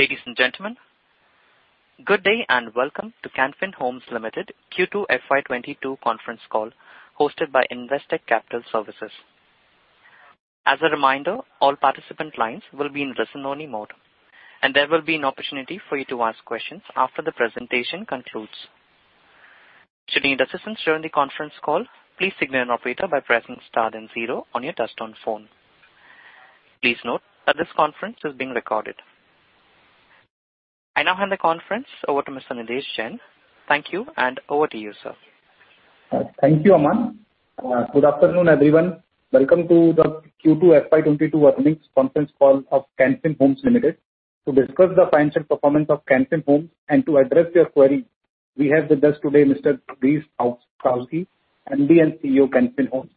Ladies and gentlemen, good day and welcome to Can Fin Homes Limited Q2 FY2022 conference call hosted by Investec Capital Services. I now hand the conference over to Mr. Nidhesh Jain. Thank you, and over to you, sir. Thank you, Aman. Good afternoon, everyone. Welcome to the Q2 FY22 earnings conference call of Can Fin Homes Limited. To discuss the financial performance of Can Fin Homes and to address your query, we have with us today Mr. Girish Kousgi, Managing Director & CEO, Can Fin Homes,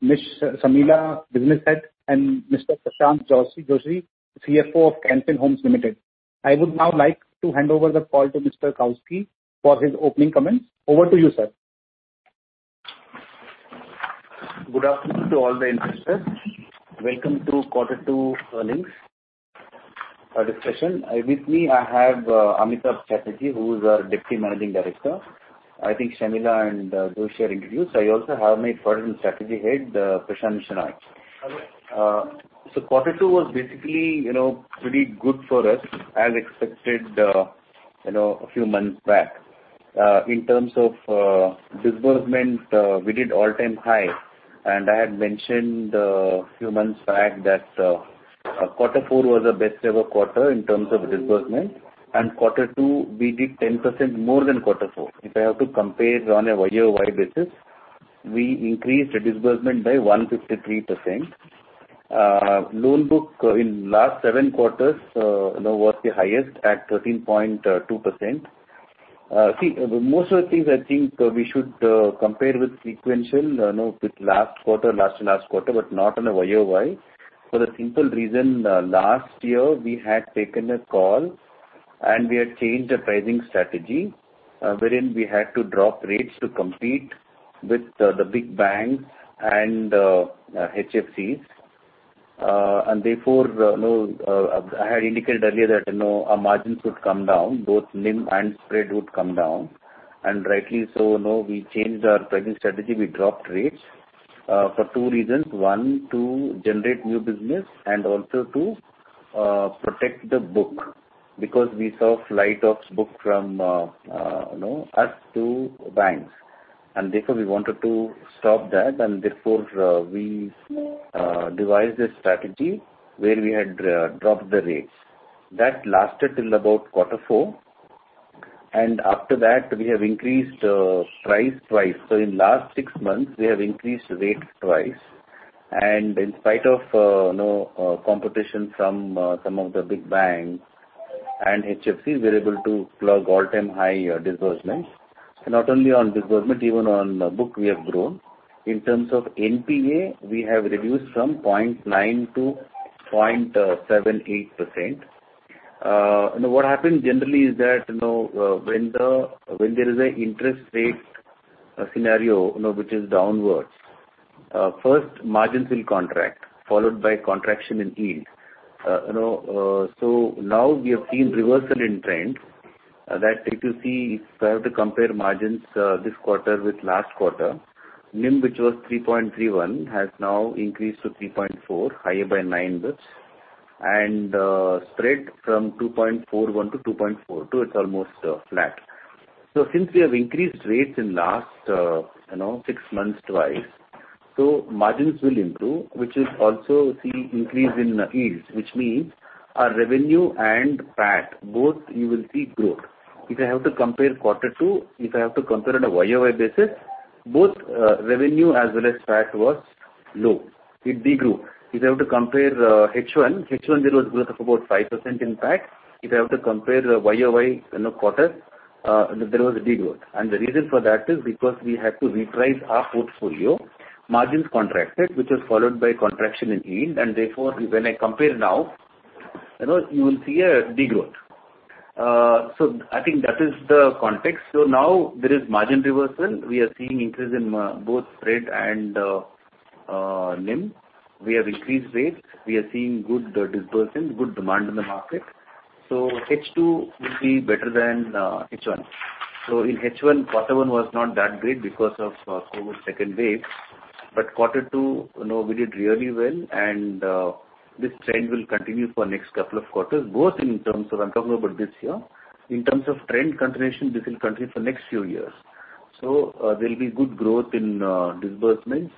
Ms. Shamila M, Business Head, and Mr. Prashanth Joishy, CFO of Can Fin Homes Limited. I would now like to hand over the call to Mr. Kousgi for his opening comments. Over to you, sir. Good afternoon to all the investors. Welcome to quarter two earnings discussion. With me, I have Amitabh Chatterjee, who is our Deputy Managing Director. I think Shamila and Joishy are introduced. I also have my Product and Strategy Head, Prashant Sinha. Quarter two was basically pretty good for us as expected a few months back. In terms of disbursement, we did all-time high, and I had mentioned a few months back that quarter four was the best ever quarter in terms of disbursement. Quarter two, we did 10% more than quarter four. If I have to compare it on a Y-O-Y basis, we increased disbursement by 153%. Loan book in last seven quarters was the highest at 13.2%. See, most of the things I think we should compare with sequential with last quarter, last-to-last quarter, but not on a Y-O-Y for the simple reason, last year we had taken a call and we had changed the pricing strategy, wherein we had to drop rates to compete with the big banks and HFCs. Therefore, I had indicated earlier that our margins would come down, both NIM and spread would come down. Rightly so, we changed our pricing strategy. We dropped rates for two reasons. One, to generate new business and also to protect the book because we saw flight of book from us to banks, and therefore, we wanted to stop that. Therefore, we devised a strategy where we had dropped the rates. That lasted till about quarter four, and after that, we have increased price twice. In last six months, we have increased rates two times. In spite of competition from some of the big banks and HFCs, we're able to plug all-time high disbursements. Not only on disbursement, even on book we have grown. In terms of NPA, we have reduced from 0.9 to 0.78%. What happens generally is that, when there is an interest rate scenario which is downwards, first margins will contract, followed by contraction in yield. Now we have seen reversal in trend that if you see, if I have to compare margins this quarter with last quarter, NIM which was 3.31 has now increased to 3.4, higher by nine bps. Spread from 2.41 to 2.42, it's almost flat. Since we have increased rates in last six months twice, margins will improve, which is also see increase in yields, which means our revenue and PAT, both you will see growth. If I have to compare quarter two, if I have to compare on a Y-O-Y basis, both revenue as well as PAT was low. It degrowth. If I have to compare H1 there was growth of about 5% in PAT. If I have to compare Y-O-Y quarter, there was a degrowth. The reason for that is because we had to reprice our portfolio. Margins contracted, which was followed by contraction in yield, therefore, when I compare now, you will see a degrowth. I think that is the context. Now there is margin reversal. We are seeing increase in both spread and NIM. We have increased rates. We are seeing good disbursement, good demand in the market. H2 will be better than H1. In H1, quarter one was not that great because of COVID second wave, but quarter two we did really well and this trend will continue for next two quarters, both in terms of, I'm talking about this year. In terms of trend continuation, this will continue for next few years. There'll be good growth in disbursements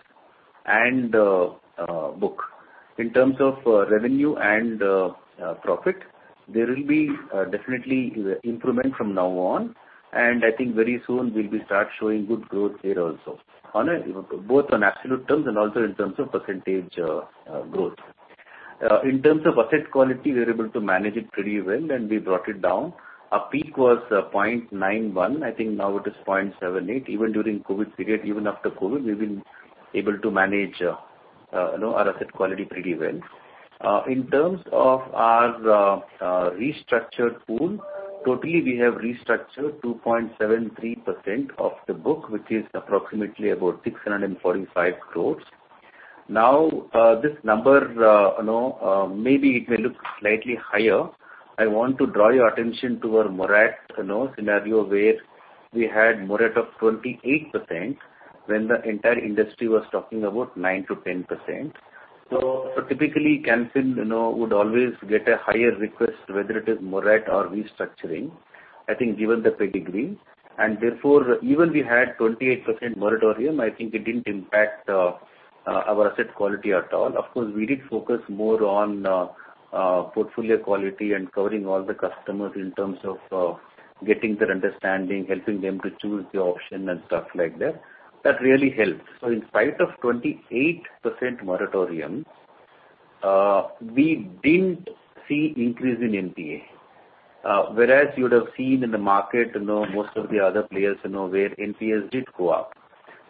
and book. In terms of revenue and profit, there will be definitely improvement from now on, and I think very soon we'll be start showing good growth there also, both on absolute terms and also in terms of percentage growth. In terms of asset quality, we're able to manage it pretty well, and we brought it down. Our peak was 0.91%. I think now it is 0.78%. Even during COVID period, even after COVID, we've been able to manage our asset quality pretty well. In terms of our restructured pool, totally we have restructured 2.73% of the book, which is approximately about 645 crores. This number maybe it will look slightly higher. I want to draw your attention to our moratorium scenario where we had moratorium of 28% when the entire industry was talking about 9%-10%. Typically, Can Fin Homes would always get a higher request whether it is moratorium or restructuring, I think given the pedigree, and therefore even we had 28% moratorium, I think it didn't impact our asset quality at all. Of course, we did focus more on portfolio quality and covering all the customers in terms of getting their understanding, helping them to choose the option and stuff like that. That really helps. In spite of 28% moratorium, we didn't see increase in NPA. Whereas you would have seen in the market, most of the other players where NPAs did go up.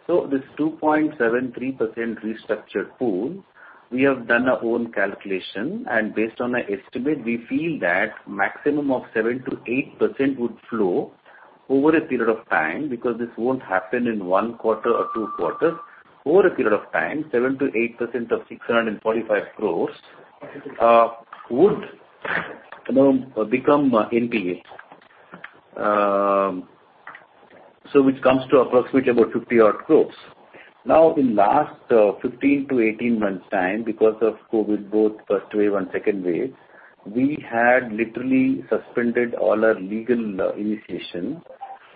This 2.73% restructured pool, we have done our own calculation and based on our estimate, we feel that maximum of 7%-8% would flow over a period of time because this won't happen in one quarter or two quarters. Over a period of time, 7%-8% of 645 crores would become NPA. Which comes to approximately about 50 odd crores. In last 15-18 months time, because of COVID, both first wave and second wave, we had literally suspended all our legal initiation.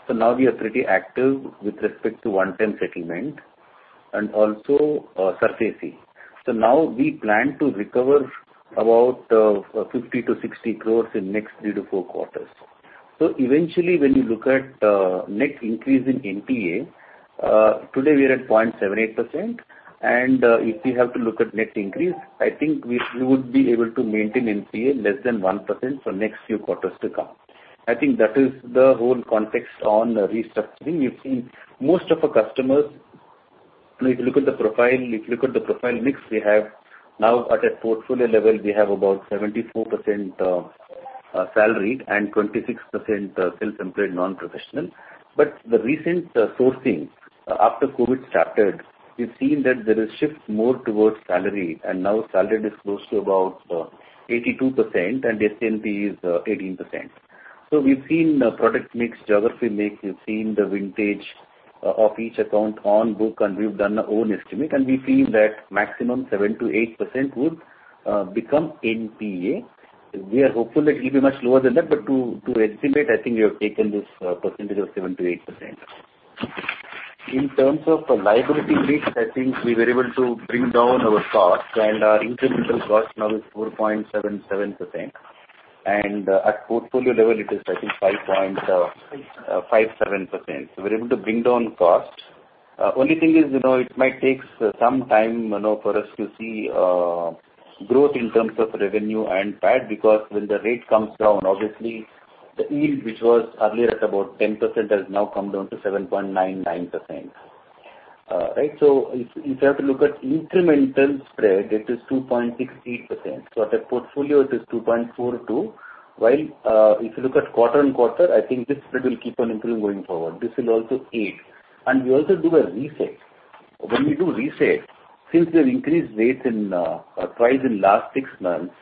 Now we are pretty active with respect to one-time settlement and also servicing. Now we plan to recover about 50-60 crores in next three to four quarters. Eventually when you look at net increase in NPA, today we are at 0.78%. If we have to look at net increase, I think we would be able to maintain NPA less than 1% for next few quarters to come. I think that is the whole context on restructuring. If you look at the profile mix we have now at a portfolio level, we have about 74% salaried and 26% self-employed non-professional. The recent sourcing after COVID started, we've seen that there is shift more towards salaried and now salaried is close to about 82% and SNP is 18%. We've seen product mix, geography mix, we've seen the vintage of each account on book, and we've done our own estimate, and we feel that maximum 7%-8% would become NPA. We are hopeful it will be much lower than that, to estimate, I think we have taken this percentage of 7%-8%. In terms of liability mix, I think we were able to bring down our cost and our incremental cost now is 4.77%. At portfolio level it is I think 5.57%. We're able to bring down cost. Only thing is, it might take some time for us to see growth in terms of revenue and PAT because when the rate comes down, obviously the yield which was earlier at about 10% has now come down to 7.99%. Right. If you have to look at incremental spread, it is 2.68%. At a portfolio it is 2.42%, while if you look at quarter-on-quarter, I think this spread will keep on improving going forward. This will also aid. We also do a reset. When we do reset, since we have increased rates twice in last six months,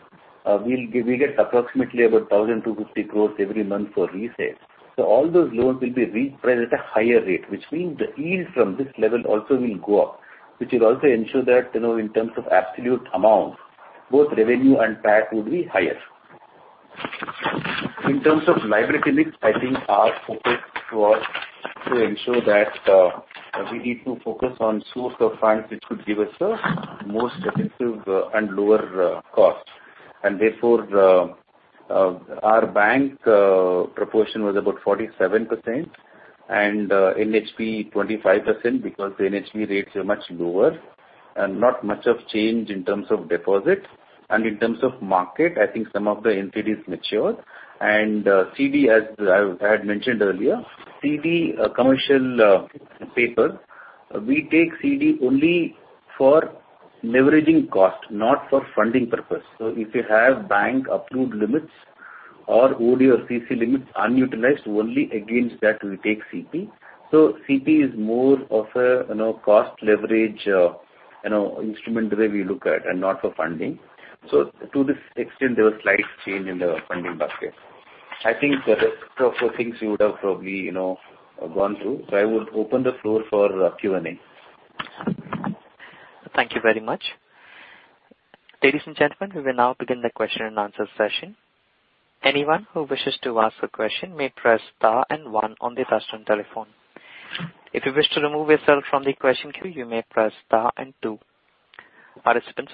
we get approximately about 1,250 crores every month for reset. All those loans will be repriced at a higher rate, which means the yield from this level also will go up, which will also ensure that, in terms of absolute amount, both revenue and PAT would be higher. In terms of liability mix, I think our focus was to ensure that we need to focus on source of funds which could give us a most effective and lower cost. Therefore our bank proportion was about 47% and NHB 25% because the NHB rates are much lower and not much of change in terms of deposit. In terms of market, I think some of the NCDs matured and CD, as I had mentioned earlier, CD, commercial paper, we take CD only for leveraging cost, not for funding purpose. If you have bank approved limits or OD or CC limits unutilized, only against that we take CP. CP is more of a cost leverage instrument the way we look at, and not for funding. To this extent, there was slight change in the funding basket. I think the rest of the things you would have probably gone through. I would open the floor for Q&A. Thank you very much. Ladies and gentlemen, we will now begin the question and answer session. Our first question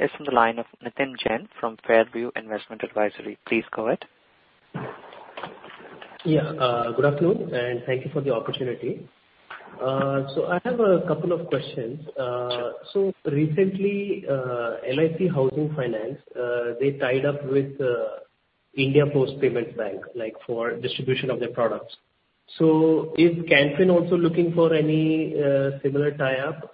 is from the line of Nitin Jain from Fairview Investment Advisory. Please go ahead. Yeah. Good afternoon and thank you for the opportunity. I have a couple of questions. Sure. Recently, LIC Housing Finance, they tied up with India Post Payments Bank for distribution of their products. Is Can Fin also looking for any similar tie-up?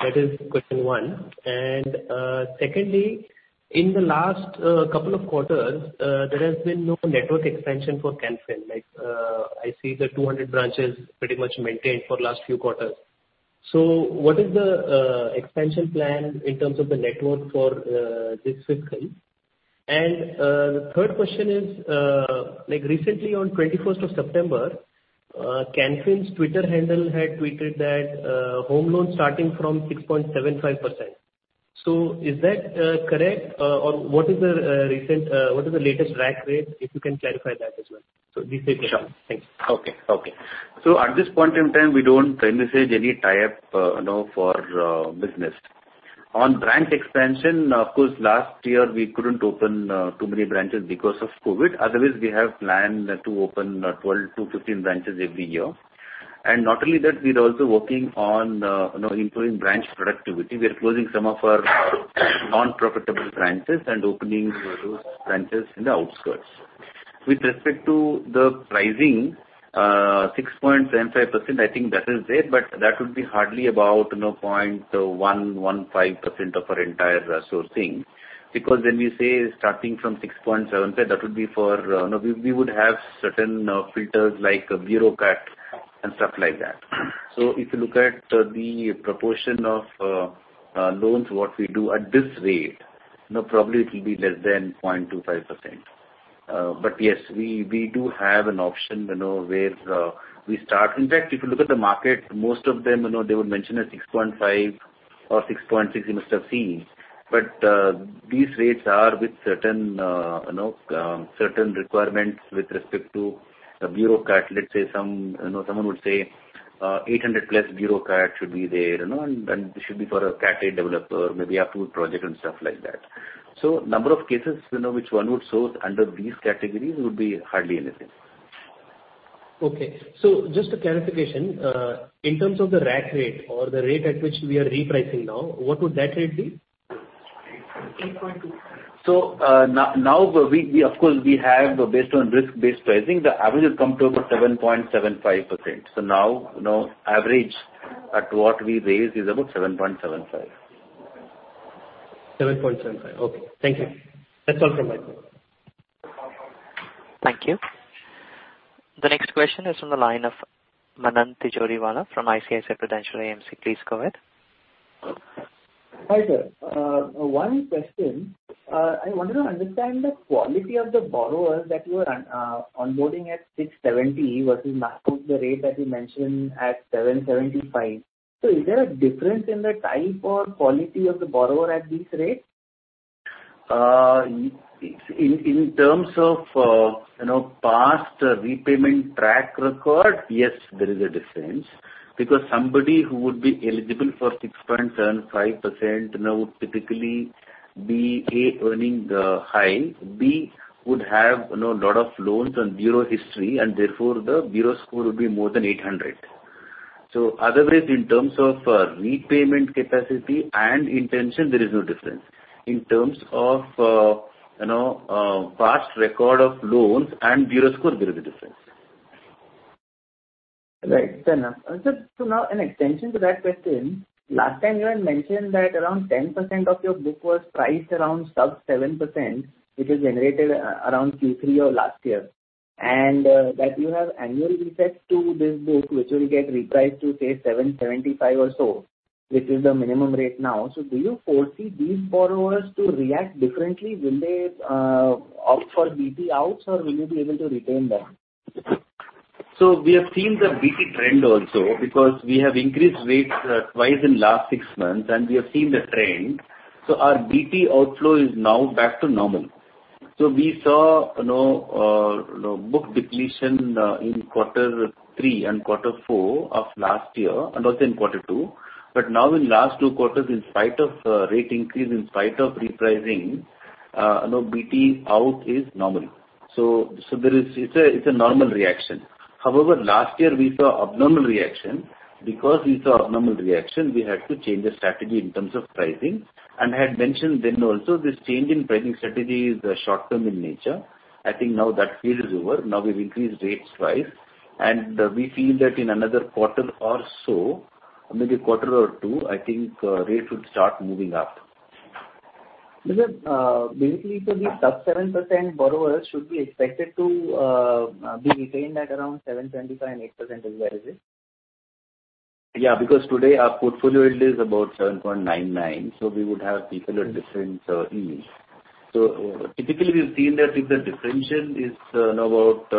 That is question one. Secondly, in the last couple of quarters, there has been no network expansion for Can Fin. I see the 200 branches pretty much maintained for last few quarters. What is the expansion plan in terms of the network for this fiscal? The third question is, recently on 21st of September, Can Fin's Twitter handle had tweeted that home loans starting from 6.75%. Is that correct? What is the latest rack rate, if you can clarify that as well? These three questions. Thanks. Okay. At this point in time, we don't envisage any tie up for business. On branch expansion, of course, last year we couldn't open too many branches because of COVID. Otherwise, we have planned to open 12-15 branches every year. Not only that, we are also working on improving branch productivity. We are closing some of our non-profitable branches and opening those branches in the outskirts. With respect to the pricing, 6.75%, I think that is there, but that would be hardly about 0.115% of our entire sourcing. When we say starting from 6.75%, we would have certain filters like bureau score and stuff like that. If you look at the proportion of loans, what we do at this rate, probably it will be less than 0.25%. Yes, we do have an option where we start. In fact, if you look at the market, most of them, they would mention a 6.5% or 6.6%, you must have seen. These rates are with certain requirements with respect to bureau score. Let's say, someone would say 800+ bureau score should be there, and this should be for a Category A developer, maybe approved project and stuff like that. Number of cases which one would source under these categories would be hardly anything. Okay. Just a clarification, in terms of the rack rate or the rate at which we are repricing now, what would that rate be? Now, of course, we have based on risk-based pricing, the average has come to about 7.75%. Now, average at what we raise is about 7.75%. 7.75. Okay. Thank you. That's all from my side. Thank you. The next question is from the line of Manan Tijoriwala from ICICI Prudential AMC. Please go ahead. Hi, sir. One question. I wanted to understand the quality of the borrowers that you are onboarding at 6.70% versus maximum the rate that you mentioned at 7.75%. Is there a difference in the type or quality of the borrower at these rates? In terms of past repayment track record, yes, there is a difference because somebody who would be eligible for 6.75% would typically be, A, earning high, B, would have lot of loans on bureau history, and therefore the bureau score would be more than 800. Otherwise, in terms of repayment capacity and intention, there is no difference. In terms of past record of loans and bureau score, there is a difference. Right. Fair enough. Sir, now an extension to that question. Last time you had mentioned that around 10% of your book was priced around sub 7%, which was generated around Q3 of last year. That you have annual resets to this book, which will get repriced to say 7.75 or so, which is the minimum rate now. Do you foresee these borrowers to react differently? Will they opt for BT outs or will you be able to retain them? We have seen the BT trend also because we have increased rates twice in last six months and we have seen the trend. Our BT outflow is now back to normal. We saw book depletion in quarter three and quarter four of last year, and also in quarter two. Now in last two quarters, in spite of rate increase, in spite of repricing, BT out is normal. It's a normal reaction. However, last year we saw abnormal reaction. We saw abnormal reaction, we had to change the strategy in terms of pricing, and I had mentioned then also, this change in pricing strategy is short-term in nature. I think now that phase is over. We've increased rates twice, and we feel that in another quarter or so, maybe a quarter or two, I think rates would start moving up. Sir, basically, these sub 7% borrowers should be expected to be retained at around 7.25% and 8% as well, is it? Yeah, because today our portfolio yield is about 7.99. We would have people at different yields. Typically, we have seen that if the differential is about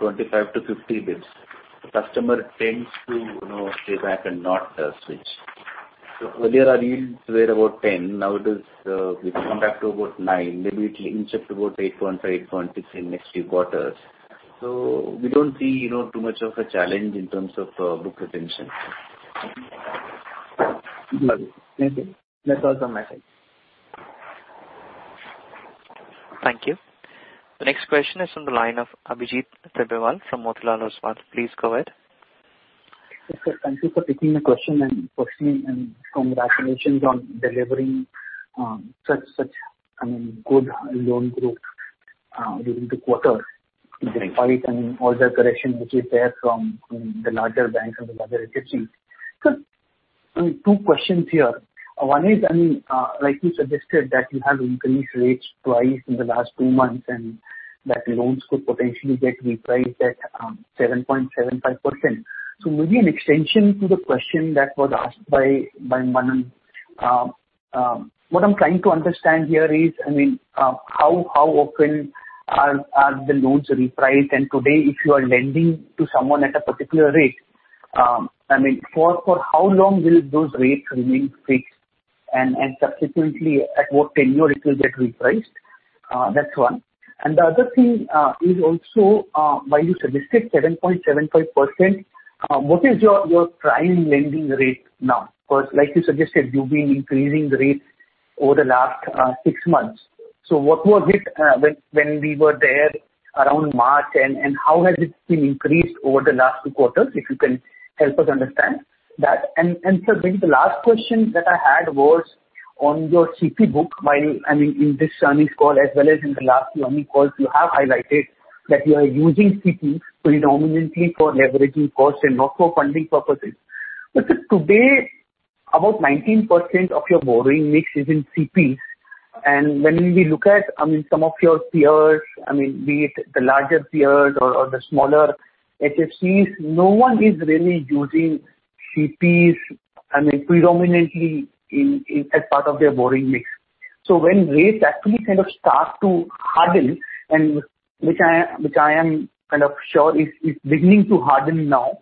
25-50 bps, the customer tends to stay back and not switch. Earlier our yields were about 10, now it has come back to about nine, maybe it will inch up to about 8.5 in next few quarters. We don't see too much of a challenge in terms of book retention. Got it. Thank you. That's all from my side. Thank you. The next question is on the line of Abhijit Tibrewal from Motilal Oswal. Please go ahead. Yes, sir. Thank you for taking the question, personally, congratulations on delivering such good loan growth during the quarter, despite all the correction which is there from the larger banks and the larger HFCs. Sir, two questions here. One is, like you suggested, that you have increased rates twice in the last two months, and that loans could potentially get repriced at 7.75%. Maybe an extension to the question that was asked by Manan. What I'm trying to understand here is, how often are the loans repriced? Today, if you are lending to someone at a particular rate, for how long will those rates remain fixed and subsequently at what tenure it will get repriced? That's One. The other thing is also, while you suggested 7.75%, what is your prime lending rate now? Like you suggested, you've been increasing the rates over the last six months. What was it when we were there around March, and how has it been increased over the last two quarters, if you can help us understand that. Sir, maybe the last question that I had was on your CP book. In this earnings call as well as in the last few earnings calls, you have highlighted that you are using CP predominantly for leveraging cost and not for funding purposes. Sir, today, about 19% of your borrowing mix is in CPs, and when we look at some of your peers, be it the larger peers or the smaller HFCs, no one is really using CPs predominantly as part of their borrowing mix. When rates actually kind of start to harden, and which I am kind of sure is beginning to harden now,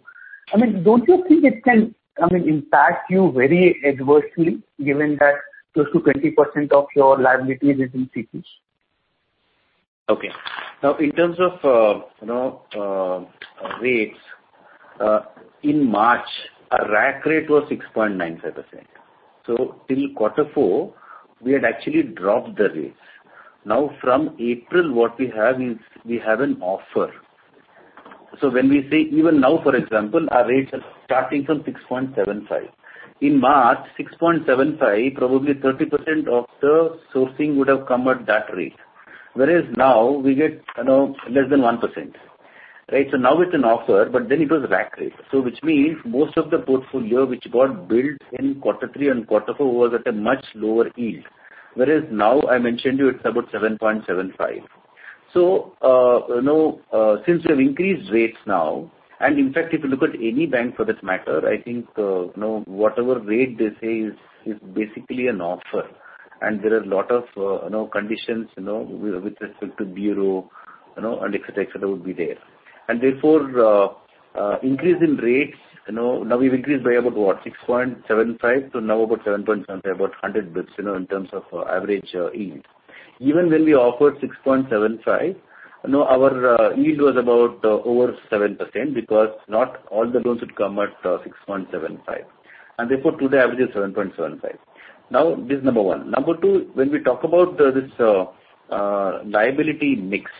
don't you think it can impact you very adversely given that close to 20% of your liability is in CPs? Okay. Now, in terms of rates, in March, our rack rate was 6.95%. Till quarter four, we had actually dropped the rates. Now from April, what we have is we have an offer. When we say even now, for example, our rates are starting from 6.75%. In March, 6.75%, probably 30% of the sourcing would have come at that rate. Whereas now we get less than 1%. Now it's an offer, but then it was rack rate. Which means most of the portfolio which got built in quarter three and quarter four was at a much lower yield. Whereas now I mentioned to you it's about 7.75%. Since we have increased rates now, and in fact, if you look at any bank for that matter, I think whatever rate they say is basically an offer and there are a lot of conditions with respect to bureau, and et cetera, would be there. Therefore, increase in rates, now we've increased by about 6.75% to now about 7.75%, about 100 basis points in terms of average yield. Even when we offered 6.75%, our yield was about over 7% because not all the loans would come at 6.75%, and therefore, today, average is 7.75%. This is number one. Number two, when we talk about this liability mix,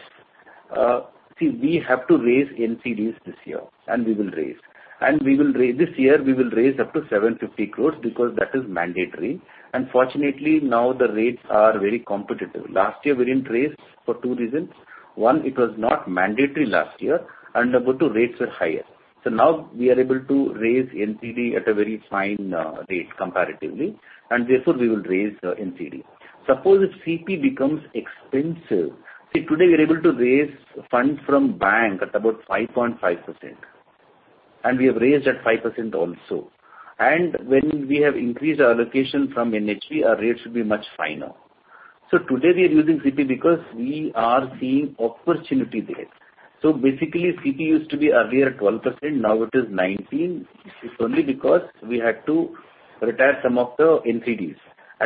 see, we have to raise NCDs this year, and we will raise. This year we will raise up to 750 crores because that is mandatory, and fortunately, now the rates are very competitive. Last year we didn't raise for two reasons. One, it was not mandatory last year, and number two, rates were higher. Now we are able to raise NCD at a very fine rate comparatively, and therefore, we will raise NCD. Suppose if CP becomes expensive. See, today, we're able to raise funds from bank at about 5.5%, and we have raised at 5% also. When we have increased our allocation from NHB, our rates will be much finer. Today we are using CP because we are seeing opportunity there. Basically, CP used to be earlier 12%, now it is 19. It's only because we had to retire some of the NCDs.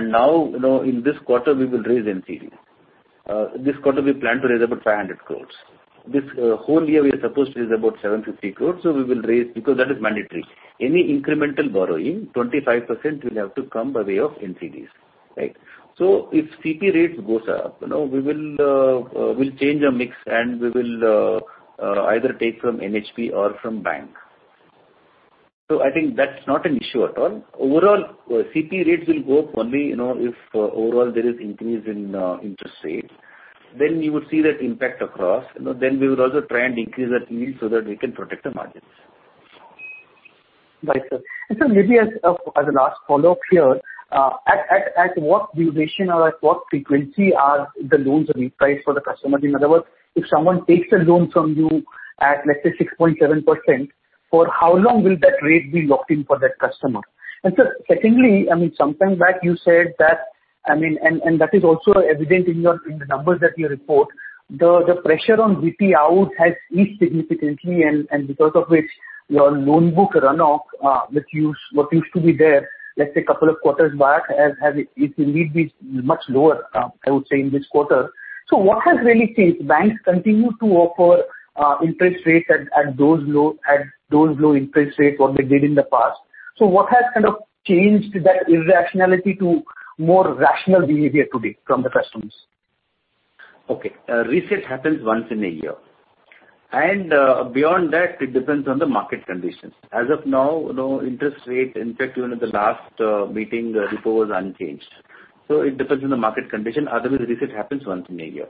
Now, in this quarter, we will raise NCD. This quarter, we plan to raise about 500 crores. This whole year, we are supposed to raise about 750 crores, because that is mandatory. Any incremental borrowing, 25% will have to come by way of NCDs. Right. If CP rates goes up, we'll change our mix and we will either take from NHB or from bank. I think that's not an issue at all. Overall, CP rates will go up only if overall there is increase in interest rates. You would see that impact across. We would also try and increase that yield so that we can protect the margins. Sir, maybe as a last follow-up here, at what duration or at what frequency are the loans repriced for the customers? In other words, if someone takes a loan from you at, let's say, 6.7%, for how long will that rate be locked in for that customer? Sir, secondly, some time back you said that, and that is also evident in the numbers that you report, the pressure on BT out has eased significantly, and because of which your loan book runoff, what used to be there, let's say a couple of quarters back, it will be much lower, I would say, in this quarter. What has really changed? Banks continue to offer interest rates at those low interest rates what they did in the past. What has changed that irrationality to more rational behavior today from the customers? Okay. Reset happens once in a year, beyond that, it depends on the market conditions. As of now, interest rate, in fact, even at the last meeting, repo was unchanged. It depends on the market condition. Otherwise, the reset happens once in a year.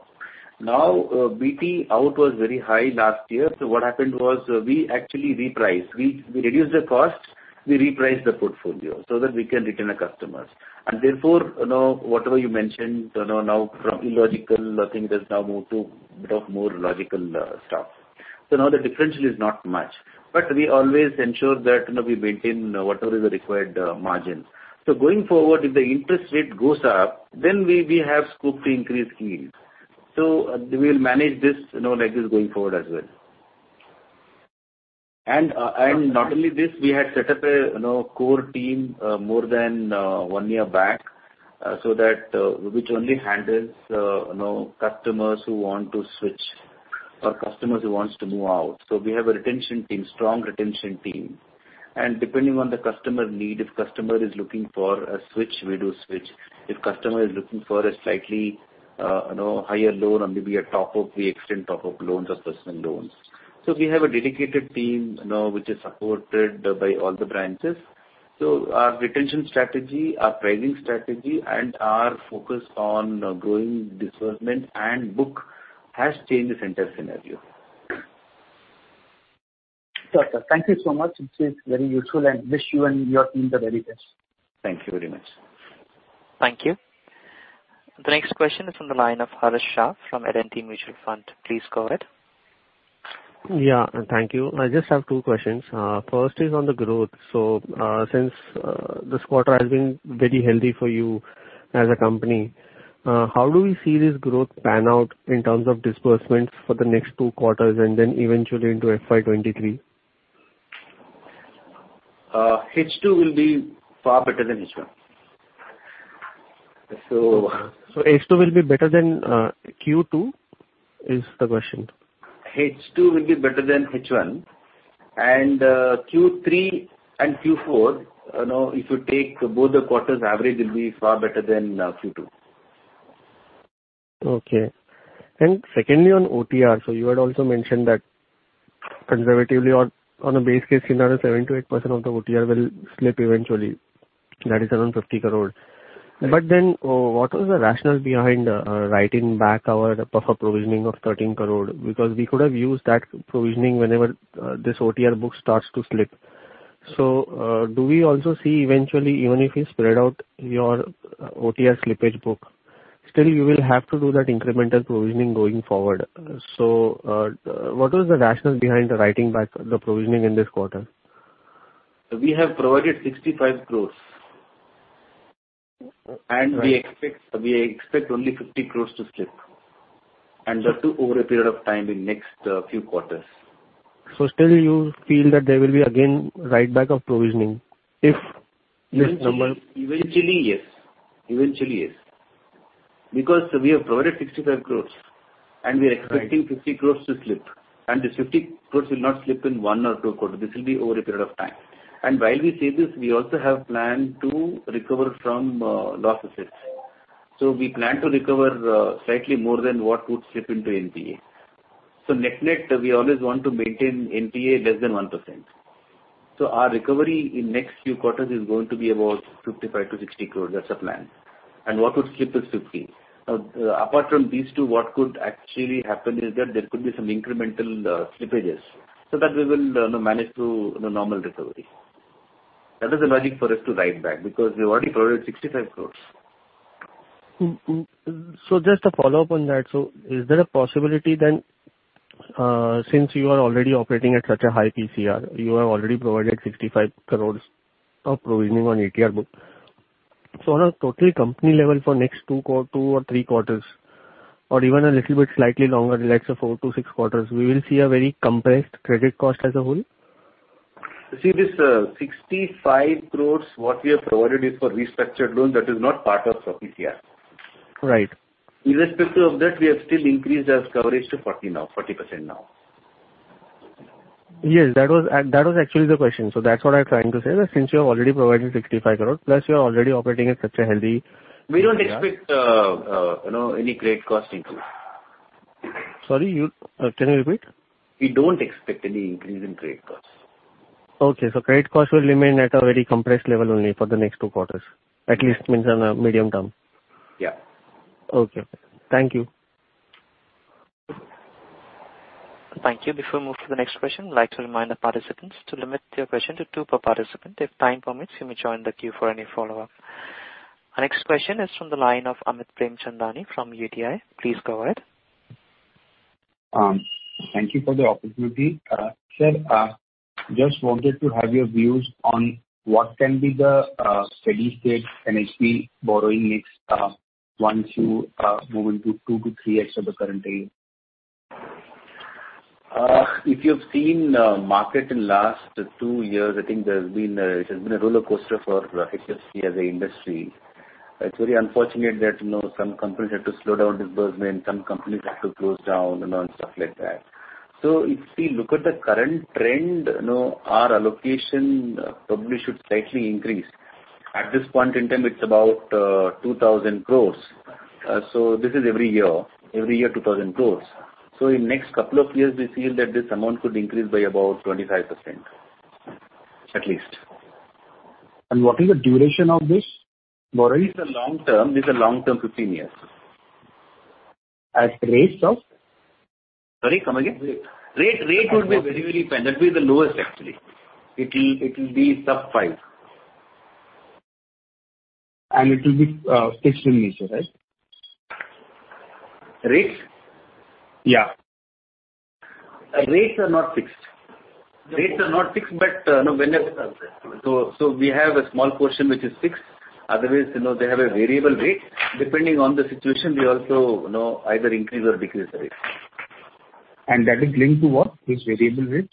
BT out was very high last year. What happened was we actually repriced. We reduced the costs, we repriced the portfolio so that we can retain the customers. Therefore, whatever you mentioned, now from illogical, I think it has now moved to a bit of more logical stuff. Now the differential is not much, but we always ensure that we maintain whatever is the required margin. Going forward, if the interest rate goes up, then we have scope to increase yields. We'll manage this like this going forward as well. Not only this, we had set up a core team more than one year back, which only handles customers who want to switch or customers who want to move out. We have a strong retention team. Depending on the customer need, if customer is looking for a switch, we do switch. If customer is looking for a slightly higher loan or maybe a top-up, we extend top-up loans or personal loans. We have a dedicated team which is supported by all the branches. Our retention strategy, our pricing strategy, and our focus on growing disbursement and book has changed the entire scenario. Sure, sir. Thank you so much. This is very useful. Wish you and your team the very best. Thank you very much. Thank you. The next question is on the line of Harsh Shah from L&T Mutual Fund. Please go ahead. Yeah. Thank you. I just have two questions. First is on the growth. Since this quarter has been very healthy for you as a company, how do we see this growth pan out in terms of disbursements for the next two quarters and then eventually into FY 2023? H2 will be far better than H1. H2 will be better than Q2 is the question? H2 will be better than H1. Q3 and Q4, if you take both the quarters average will be far better than Q2. Okay. Secondly, on OTR. You had also mentioned that conservatively on a base case scenario, 7%-8% of the OTR will slip eventually, that is around 50 crores. What was the rationale behind writing back our buffer provisioning of 13 crores because we could have used that provisioning whenever this OTR book starts to slip? Do we also see eventually, even if you spread out your OTR slippage book, still you will have to do that incremental provisioning going forward? What was the rationale behind the writing back the provisioning in this quarter? We have provided 65 crores and we expect only 50 crores to slip, and that too over a period of time in next few quarters. Still you feel that there will be again write-back of provisioning if this number- Eventually, yes. We have provided 65 crores and we are expecting 50 crores to slip, and the 50 crores will not slip in one or two quarters. This will be over a period of time. While we say this, we also have plan to recover from losses. We plan to recover slightly more than what would slip into NPA. Net-net, we always want to maintain NPA less than 1%. Our recovery in next few quarters is going to be about 55-60 crores. That's the plan. What would slip is 50. Now, apart from these two, what could actually happen is that there could be some incremental slippages so that we will manage through normal recovery. That was the logic for us to write back because we've already provided 65 crores. Just a follow-up on that. Is there a possibility then, since you are already operating at such a high PCR, you have already provided 65 crores of provisioning on OTR book. On a total company level for next two or three quarters or even a little bit slightly longer, let's say four to six quarters, we will see a very compressed credit cost as a whole? See, this ₹65 crores what we have provided is for restructured loan that is not part of the PCR. Right. Irrespective of that, we have still increased our coverage to 40% now. Yes, that was actually the question. That's what I'm trying to say that since you have already provided 65 crores, plus you are already operating at such a healthy. We don't expect any credit cost increase. Sorry. Can you repeat? We don't expect any increase in credit cost. Okay. credit cost will remain at a very compressed level only for the next two quarters, at least on a medium-term. Yeah. Okay. Thank you. Thank you. Before we move to the next question, I'd like to remind the participants to limit their question to two per participant. If time permits, you may join the queue for any follow-up. Our next question is from the line of Amit Premchandani from UTI. Please go ahead. Thank you for the opportunity. Sir, just wanted to have your views on what can be the steady-state HFC borrowing mix once you move into two to three years of the current AUM. If you have seen market in last two years, I think it has been a rollercoaster for HFC as a industry. It's very unfortunate that some companies had to slow down disbursement, some companies had to close down, and stuff like that. If we look at the current trend, our allocation probably should slightly increase. At this point in time, it's about 2,000 crores. This is every year, 2,000 crores. In next couple of years, we feel that this amount could increase by about 25%, at least. What is the duration of this borrowing? This is a long-term, 15 years. At rates of? Sorry, come again. Rate. Rate would be very dependent. That'd be the lowest actually. It will be sub 5. It will be fixed in nature, right? Rates? Yeah. Rates are not fixed. We have a small portion which is fixed. Otherwise, they have a variable rate. Depending on the situation, we also either increase or decrease the rate. That is linked to what, this variable rate?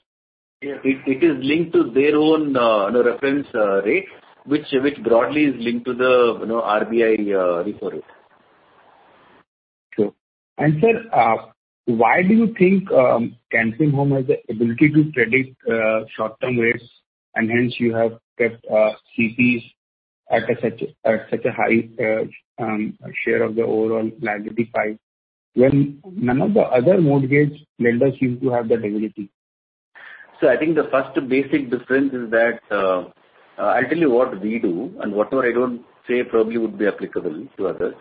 It is linked to their own reference rate, which broadly is linked to the RBI repo rate. Sure. Sir, why do you think Can Fin Homes has the ability to predict short-term rates, hence you have kept CPs at such a high share of the overall liability side when none of the other mortgage lenders seem to have that ability? I think the first basic difference is that I'll tell you what we do and whatever I don't say probably would be applicable to others.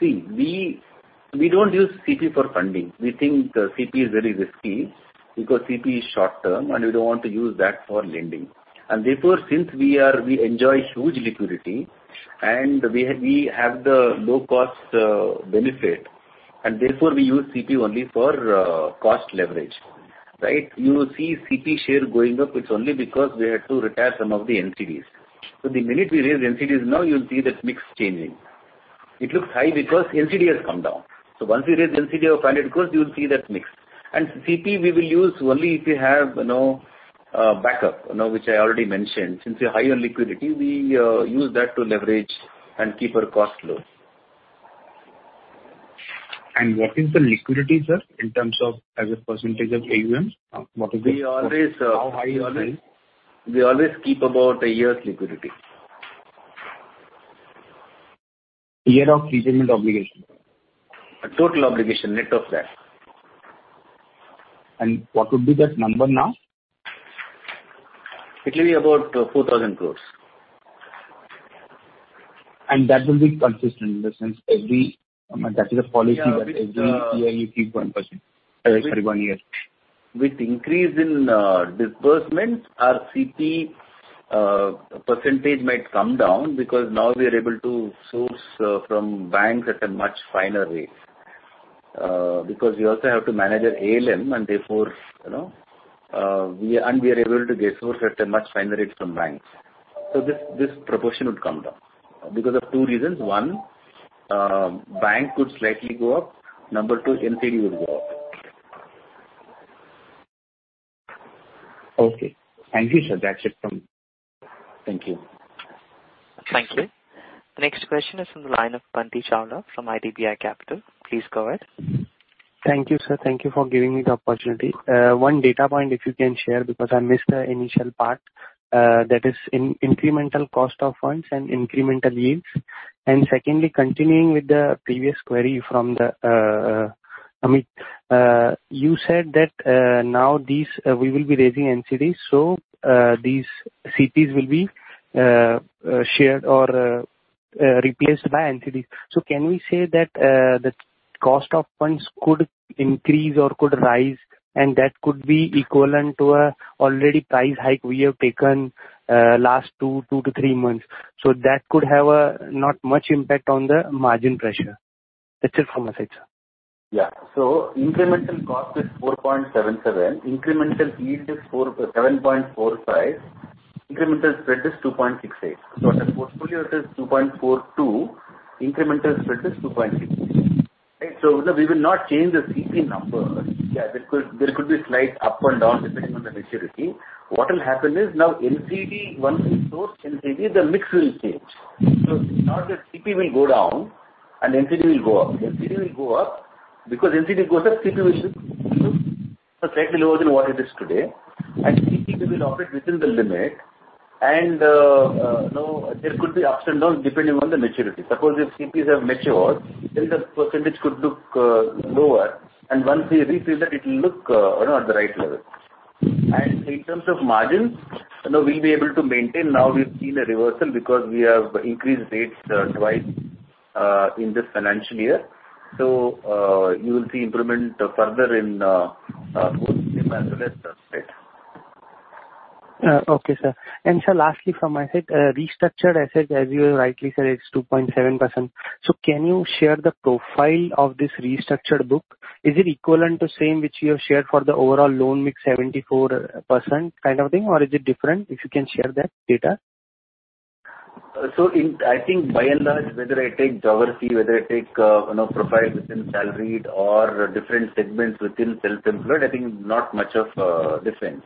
See, we don't use CP for funding. We think CP is very risky because CP is short-term, and we don't want to use that for lending. Therefore, since we enjoy huge liquidity and we have the low-cost benefit, and therefore we use CP only for cost leverage. Right? You see CP share going up, it's only because we had to retire some of the NCDs. The minute we raise NCDs now, you'll see that mix changing. It looks high because NCD has come down. Once we raise NCD of 100 crores, you'll see that mix. CP we will use only if we have backup, which I already mentioned. Since we're high on liquidity, we use that to leverage and keep our cost low. What is the liquidity, sir, in terms of as a percentage of AUM? What is it? We always How high is it? We always keep about a year's liquidity. Year of repayment obligation. Total obligation, net of that. What would be that number now? It will be about 4,000 crores. That will be consistent in the sense every, that is a policy that every year you keep one year. With increase in disbursement, our CP % might come down because now we are able to source from banks at a much finer rate. We also have to manage our ALM, and we are able to get source at a much finer rate from banks. This proportion would come down because of two reasons: One, bank could slightly go up. Number two, NCD will go up. Okay. Thank you, sir. That's it from me. Thank you. Thank you. The next question is from the line of Bunty Chawla from IDBI Capital. Please go ahead. Thank you, sir. Thank you for giving me the opportunity. One data point, if you can share, because I missed the initial part, that is incremental cost of funds and incremental yields. Secondly, continuing with the previous query from Amit. You said that now we will be raising NCDs, these CPs will be shared or replaced by NCDs. Can we say that the cost of funds could increase or could rise and that could be equivalent to a already price hike we have taken last two to three months? That could have a not much impact on the margin pressure. That's it from my side, sir. Yeah. Incremental cost is 4.77%. Incremental yield is 7.45%. Incremental spread is 2.68%. Our portfolio is 2.42%. Incremental spread is 2.68%. Right. We will not change the CP number. There could be slight up and down depending on the maturity. What will happen is now NCD, once we source NCD, the mix will change. It's not that CP will go down and NCD will go up. The NCD will go up because NCD goes up, CP will go slightly lower than what it is today, and CP will operate within the limit, and there could be ups and downs depending on the maturity. Suppose if CPs have matured, then the percentage could look lower, and once we refill that it will look at the right level. In terms of margins, we'll be able to maintain. Now we've seen a reversal because we have increased rates two in this financial year. You will see improvement further in both CP as well as debt. Okay, sir. sir, lastly from my side, restructured asset, as you rightly said, is 2.7%. Can you share the profile of this restructured book? Is it equivalent to same which you have shared for the overall loan mix, 74% kind of thing, or is it different? If you can share that data. I think by and large, whether I take geography, whether I take profile within salaried or different segments within self-employed, I think not much of a difference.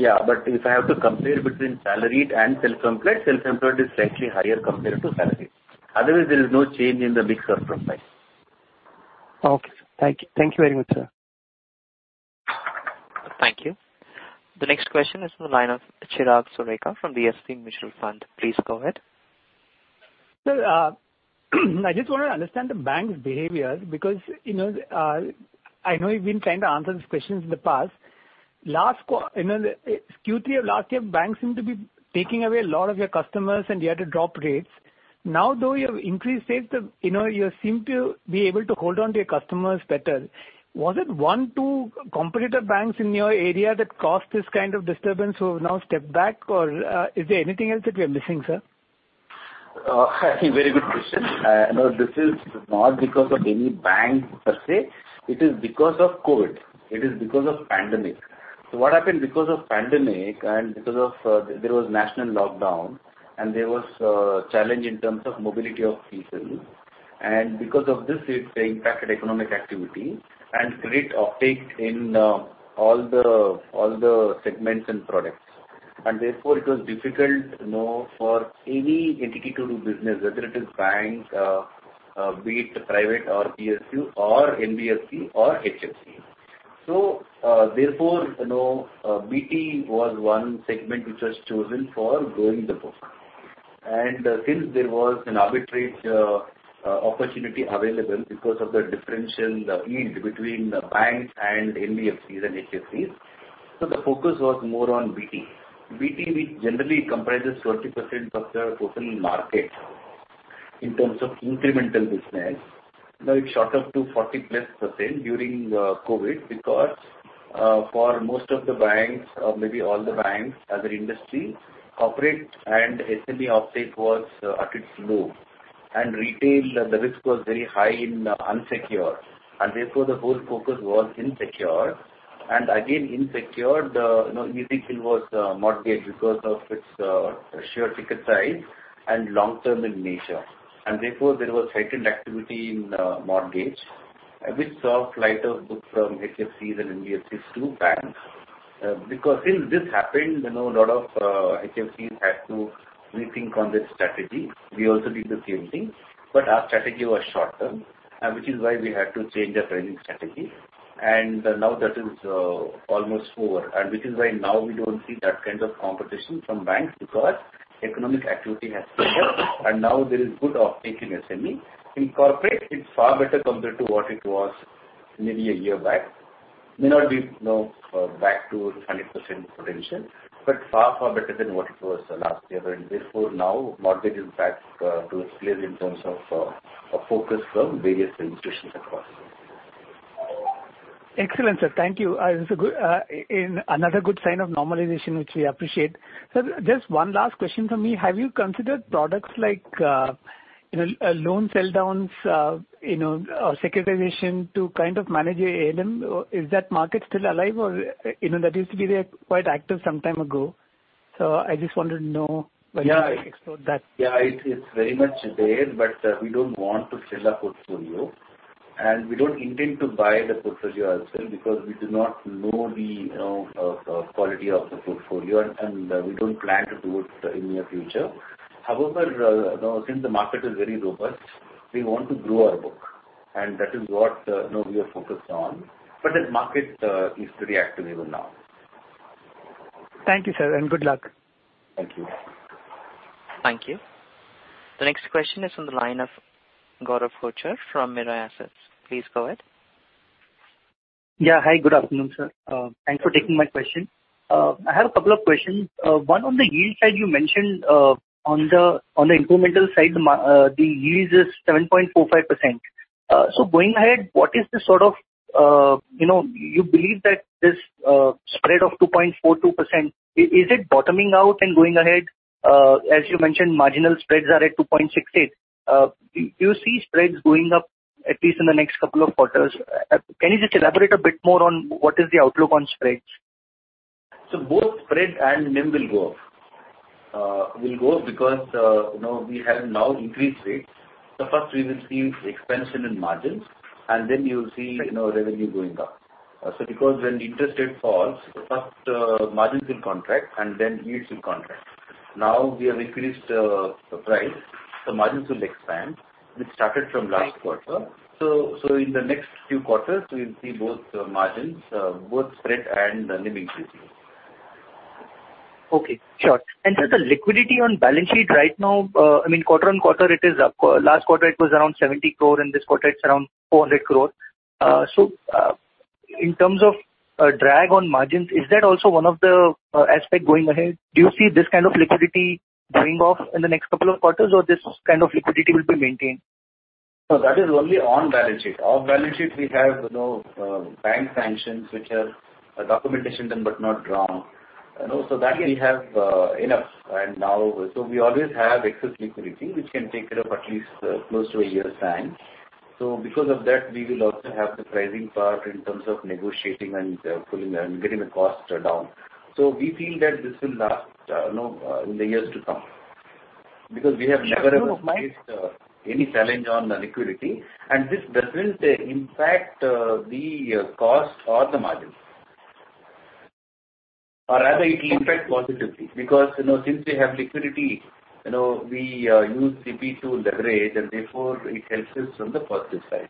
Yeah, if I have to compare between salaried and self-employed, self-employed is slightly higher compared to salaried. Otherwise, there is no change in the mix or profile. Okay, sir. Thank you. Thank you very much, sir. Thank you. The next question is on the line of Chirag Sureka from DSP Mutual Fund. Please go ahead. Sir, I just want to understand the bank's behavior because I know you've been trying to answer these questions in the past. Q3 of last year, banks seem to be taking away a lot of your customers, and you had to drop rates. Now though you have increased rates, you seem to be able to hold on to your customers better. Was it one, two competitor banks in your area that caused this kind of disturbance who have now stepped back, or is there anything else that we are missing, sir? Very good question. No, this is not because of any bank per se. It is because of COVID. It is because of pandemic. What happened because of pandemic and because there was national lockdown, and there was a challenge in terms of mobility of people. Because of this, it impacted economic activity and credit uptake in all the segments and products. Therefore, it was difficult for any entity to do business, whether it is bank, be it private or PSU or NBFC or HFC. Therefore, BT was one segment which was chosen for growing the book. Since there was an arbitrage opportunity available because of the differential yield between banks and NBFCs and HFCs. The focus was more on BT. BT, which generally comprises 20% of the total market in terms of incremental business. It shot up to 40+% during COVID because for most of the banks or maybe all the banks as an industry, corporate and SME uptake was at its low. Retail, the risk was very high in unsecured, and therefore the whole focus was in secured. Again, in secured, the unique thing was mortgage because of its sheer ticket size and long-term in nature. Therefore, there was heightened activity in mortgage. We saw flight of book from HFCs and NBFCs to banks because since this happened, a lot of HFCs had to rethink on their strategy. We also did the same thing, our strategy was short-term, which is why we had to change the pricing strategy. Now that is almost over, which is why now we don't see that kind of competition from banks because economic activity has improved and now there is good uptake in SME. In corporate, it's far better compared to what it was maybe a year back. May not be back to 100% potential, but far, far better than what it was last year. Therefore now mortgage is back to its place in terms of focus from various institutions across. Excellent, sir. Thank you. It's another good sign of normalization, which we appreciate. Sir, just one last question from me. Have you considered products like loan sell downs or securitization to kind of manage your ALM? Is that market still alive? That used to be quite active some time ago. I just wanted to know whether you explore that. It's very much there, but we don't want to sell our portfolio, and we don't intend to buy the portfolio ourselves because we do not know the quality of the portfolio, and we don't plan to do it in near future. Since the market is very robust, we want to grow our book, and that is what we are focused on. That market is pretty active even now. Thank you, sir, and good luck. Thank you. Thank you. The next question is on the line of Gaurav Kochar from Mirae Asset. Please go ahead. Yeah. Hi, good afternoon, sir. Thanks for taking my question. I have a couple of questions. One on the yield side, you mentioned on the incremental side, the yield is 7.45%. Going ahead, what is the sort of You believe that this spread of 2.42%, is it bottoming out and going ahead? As you mentioned, marginal spreads are at 2.68. Do you see spreads going up at least in the next couple of quarters? Can you just elaborate a bit more on what is the outlook on spreads? Both spread and NIM will go up. Will go up because we have now increased rates. First we will see expansion in margins, and then you will see revenue going up. Because when interest rate falls, first margins will contract and then yields will contract. Now we have increased the price, margins will expand, which started from last quarter. In the next few quarters, we will see both spread and NIM increasing. Okay, sure. Sir, the liquidity on balance sheet right now, I mean, quarter-on-quarter it is up. Last quarter it was around 70 crore, and this quarter it's around 400 crore. In terms of drag on margins, is that also one of the aspect going ahead? Do you see this kind of liquidity going off in the next couple of quarters, or this kind of liquidity will be maintained? No, that is only on-balance sheet. Off-balance sheet, we have bank sanctions which have documentation done but not drawn. That we have enough. We always have excess liquidity, which can take care of at least close to a year's time. Because of that, we will also have the pricing power in terms of negotiating and getting the cost down. We feel that this will last in the years to come. Because we have never faced any challenge on liquidity, and this doesn't impact the cost or the margin. Rather, it will impact positively because since we have liquidity, we use the P2 leverage, and therefore, it helps us from the positive side.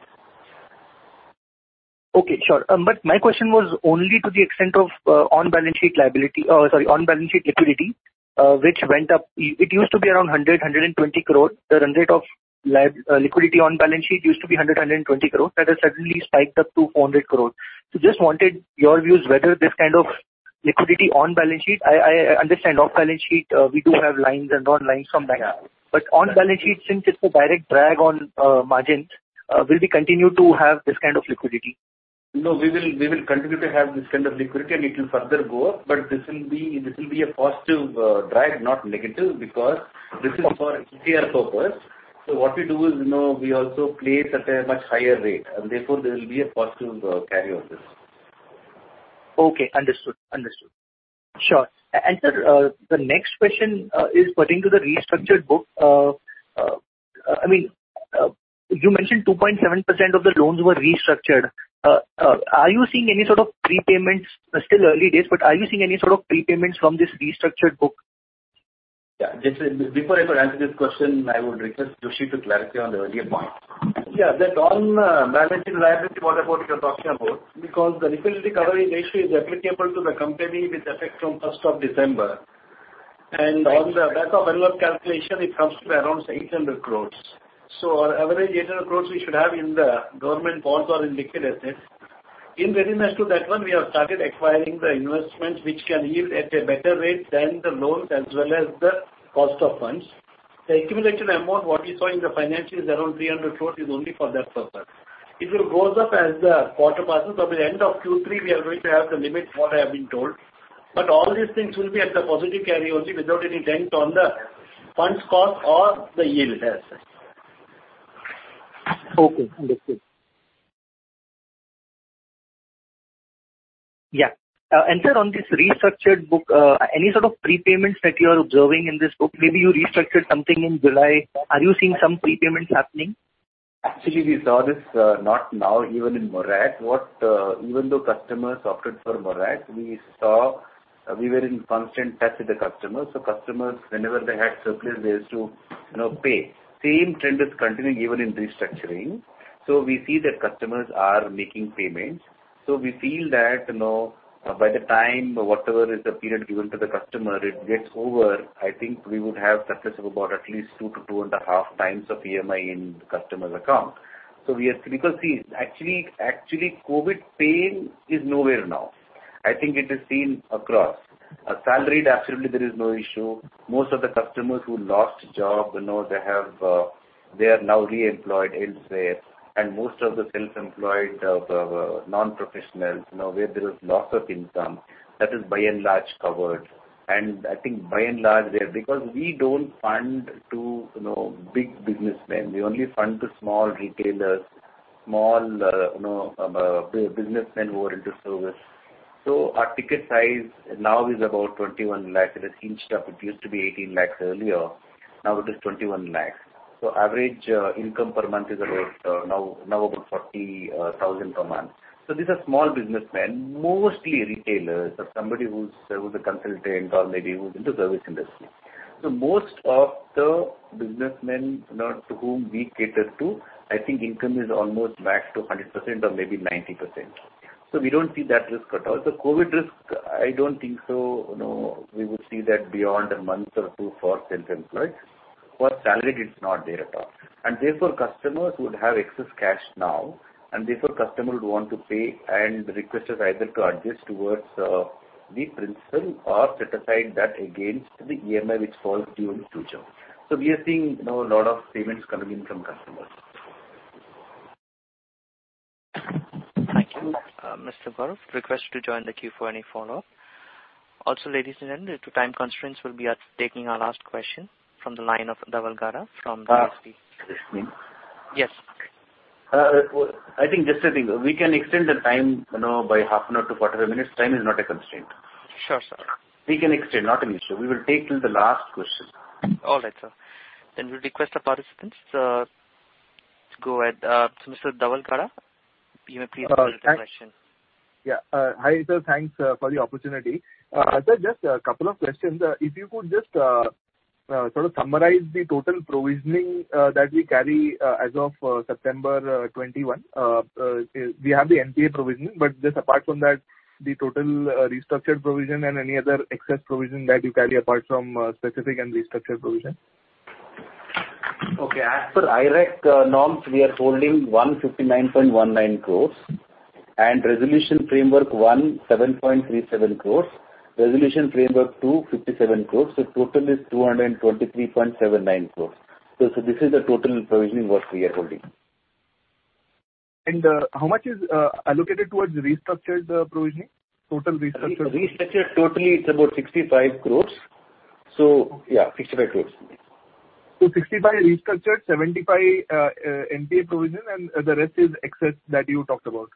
Okay, sure. My question was only to the extent of on-balance sheet liability, or sorry, on-balance sheet liquidity, which went up. It used to be around 100-120 crore. The run rate of liquidity on-balance sheet used to be 100-120 crore. That has suddenly spiked up to 400 crore. Just wanted your views whether this kind of liquidity on-balance sheet, I understand off-balance sheet, we do have lines and non-lines from banks. Yeah. On-balance sheet, since it's a direct drag on margins, will we continue to have this kind of liquidity? No. We will continue to have this kind of liquidity, and it will further go up, but this will be a positive drag, not negative, because this is for LCR purpose. What we do is, we also place at a much higher rate, and therefore, there will be a positive carry on this. Okay. Understood. Sure. Sir, the next question is pertaining to the restructured book. You mentioned 2.7% of the loans were restructured. Are you seeing any sort of prepayments? Still early days, but are you seeing any sort of prepayments from this restructured book? Yeah. Before I answer this question, I would request Joishy to clarify on the earlier point. Yeah. That on-balance sheet liability was what you are talking about because the Liquidity Coverage Ratio is applicable to the company with effect from 1st of December. On the back of our calculation, it comes to around 800 crores. Our average 800 crores we should have in the government bonds or in liquid assets. In readiness to that one, we have started acquiring the investments which can yield at a better rate than the loans as well as the cost of funds. The accumulated amount, what you saw in the financials, around 300 crores, is only for that purpose. It will rise up as the quarter passes. By the end of Q3, we are going to have the limit, what I have been told. All these things will be at the positive carry only without any dent on the funds cost or the yield. Okay. Understood. Yeah. Sir, on this restructured book, any sort of prepayments that you are observing in this book? Maybe you restructured something in July. Are you seeing some prepayments happening? Actually, we saw this not now, even in moratorium. Even though customers opted for moratorium, we were in constant touch with the customers. Customers, whenever they had surplus, they used to pay. Same trend is continuing even in restructuring. We see that customers are making payments. We feel that by the time whatever is the period given to the customer, it gets over, I think we would have surplus of about at least two to two and a half times of EMI in the customer's account. See, actually, COVID pain is nowhere now. I think it is seen across. Salaried, absolutely there is no issue. Most of the customers who lost job, they are now reemployed elsewhere. Most of the self-employed non-professionals, where there was loss of income, that is by and large covered. We don't fund to big businessmen. We only fund to small retailers, small businessmen who are into service. Our ticket size now is about 21 lakhs. It has inched up. It used to be 18 lakhs earlier, now it is 21 lakhs. Average income per month is now about 40,000 per month. These are small businessmen, mostly retailers or somebody who's a consultant or maybe who's in the service industry. Most of the businessmen to whom we cater to, I think income is almost back to 100% or maybe 90%. We don't see that risk at all. The COVID risk, I don't think so we would see that beyond a month or two for self-employed. For salaried, it's not there at all. Therefore, customers would have excess cash now, and therefore, customer would want to pay and request us either to adjust towards the principal or set aside that against the EMI which falls due in future. We are seeing a lot of payments coming in from customers. Thank you. Mr. Gaurav, request you to join the queue for any follow-up. Ladies and gentlemen, due to time constraints, we'll be taking our last question from the line of Dhaval Gada from DSP. Excuse me. Yes. I think just a thing, we can extend the time by half an hour to 45 minutes. Time is not a constraint. Sure, sir. We can extend, not an issue. We will take till the last question. All right, sir. We'll request the participants to go ahead. Mr. Dhaval Gada, you may please proceed with your question. Yeah. Hi, sir. Thanks for the opportunity. Sir, just a couple of questions. If you could just sort of summarize the total provisioning that we carry as of September 2021. We have the NPA provisioning, but just apart from that, the total restructured provision and any other excess provision that you carry apart from specific and restructured provision. Okay. As per IndAS norms, we are holding 159.19 crores and Resolution Framework 1.0, 7.37 crores, Resolution Framework 2.0, 57 crores. Total is 223.79 crores. This is the total provisioning what we are holding. How much is allocated towards restructured provisioning? Restructured totally, it's about 65 crores. yeah, 65 crores. 65 restructured, 75 NPA provision, and the rest is excess that you talked about?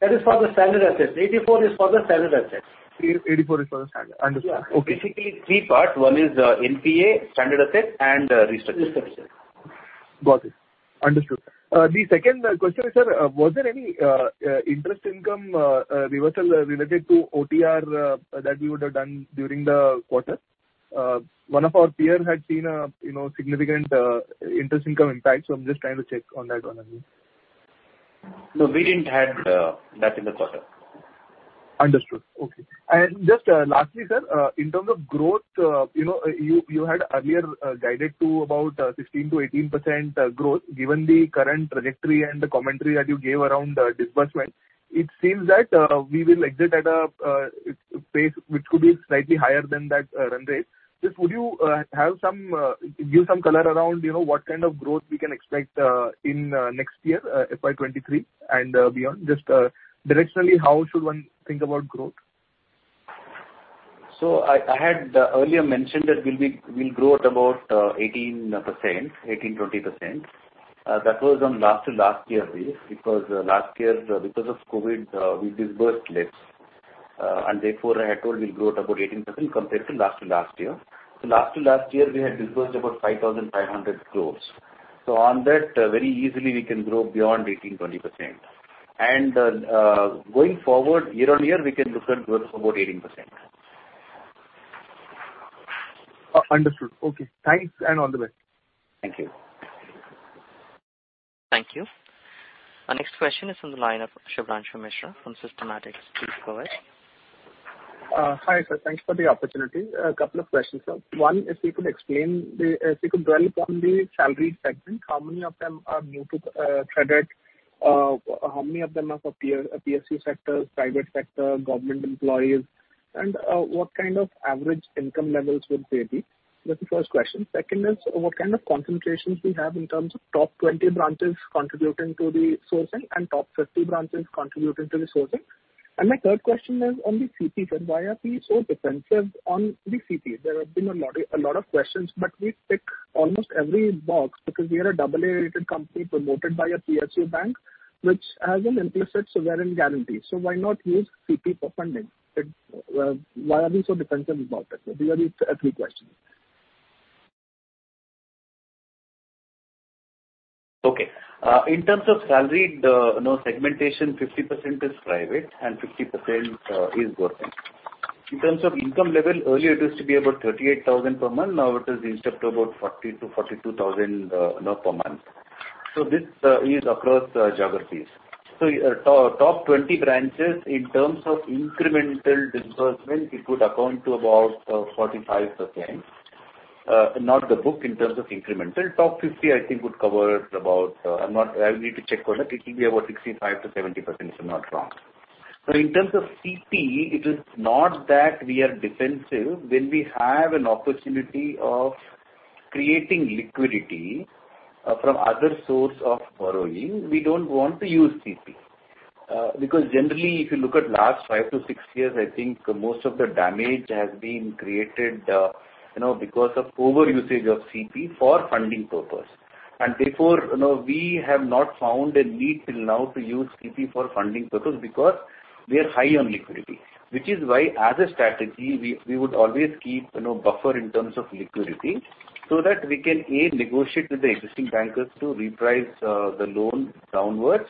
That is for the standard assets. 84 is for the standard assets. 84 is for the standard. Understood. Okay. Yeah. Basically three parts. One is NPA, standard asset and restructured. Got it. Understood. The second question, sir, was there any interest income reversal related to OTR that you would have done during the quarter? One of our peers had seen a significant interest income impact. I'm just trying to check on that one again. No, we didn't have that in the quarter. Understood. Okay. Just lastly, sir, in terms of growth, you had earlier guided to about 16%-18% growth. Given the current trajectory and the commentary that you gave around disbursement, it seems that we will exit at a pace which could be slightly higher than that run rate. Just would you give some color around what kind of growth we can expect in next year, FY23 and beyond? Just directionally, how should one think about growth? I had earlier mentioned that we'll grow at about 18%, 18%-20%. That was on last-to-last year base, because last year, because of COVID, we disbursed less. Therefore, I had told we'll grow at about 18% compared to last-to-last year. Last-to-last year, we had disbursed about 5,500 crore. On that, very easily we can grow beyond 18%-20%. Going forward year-on-year, we can look at growth of about 18%. Understood. Okay. Thanks, and all the best. Thank you. Thank you. Our next question is on the line of Shubhranshu Mishra from Systematix. Please go ahead. Hi, sir. Thanks for the opportunity. A couple of questions, sir. One, if you could explain, if you could dwell upon the salary segment, how many of them are new to credit? How many of them are PSU sector, private sector, government employees, and what kind of average income levels would they be? That's the first question. Second is what kind of concentrations we have in terms of top 20 branches contributing to the sourcing and top 50 branches contributing to the sourcing. My third question is on the CP, sir. Why are we so defensive on the CP? There have been a lot of questions, but we tick almost every box because we are a double A-rated company promoted by a PSU bank, which has an implicit sovereign guarantee. Why not use CP for funding? Why are we so defensive about it? These are the three questions. Okay. In terms of salary segmentation, 50% is private and 50% is government. In terms of income level, earlier it used to be about 38,000 per month. Now it has reached up to about 40,000-42,000 per month. This is across geographies. Top 20 branches, in terms of incremental disbursement, it would account to about 45%. Not the book, in terms of incremental. Top 50, I think, would cover about, I will need to check on it. It will be about 65%-70%, if I'm not wrong. In terms of CP, it is not that we are defensive. When we have an opportunity of creating liquidity from other source of borrowing, we don't want to use CP. Generally, if you look at last five to six years, I think most of the damage has been created because of over usage of CP for funding purpose. Therefore, we have not found a need till now to use CP for funding purpose because we are high on liquidity, which is why, as a strategy, we would always keep buffer in terms of liquidity so that we can, A, negotiate with the existing bankers to reprice the loan downwards,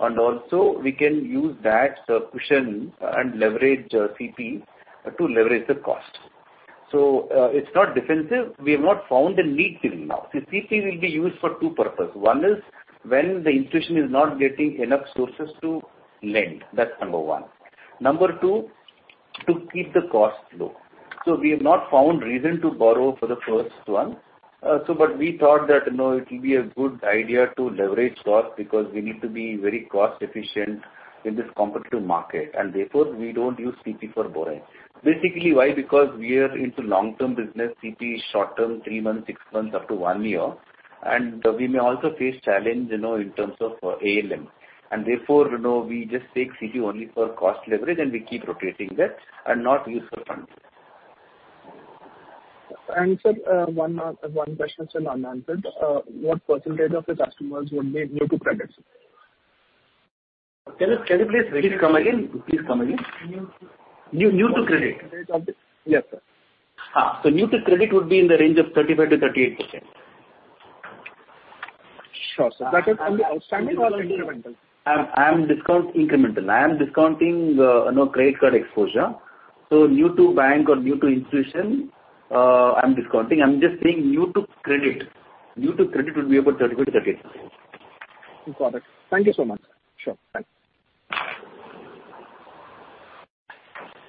and also we can use that cushion and leverage CP to leverage the cost. It's not defensive. We have not found the need till now. CP will be used for two purpose. One is when the institution is not getting enough sources to lend. That's number one. Number two, to keep the cost low. We have not found reason to borrow for the first one. We thought that it will be a good idea to leverage cost because we need to be very cost efficient in this competitive market, and therefore, we don't use CP for borrowing. Basically, why? Because we are into long-term business. CP is short-term, three months, six months, up to one year. We may also face challenge in terms of ALM, and therefore, we just take CP only for cost leverage and we keep rotating that and not use for funding. Sir, one question still unanswered. What % of the customers would be new to credit, sir? Can you please come again? Please come again. New to New to credit. Percentage of new to credit. Yes, sir. New to credit would be in the range of 35%-38%. Sure, sir. That is on the outstanding or on incremental? Incremental. I am discounting credit card exposure. New to bank or new to institution, I'm discounting. I'm just saying new to credit. New to credit would be about 35%-38%. Got it. Thank you so much. Sure. Thanks.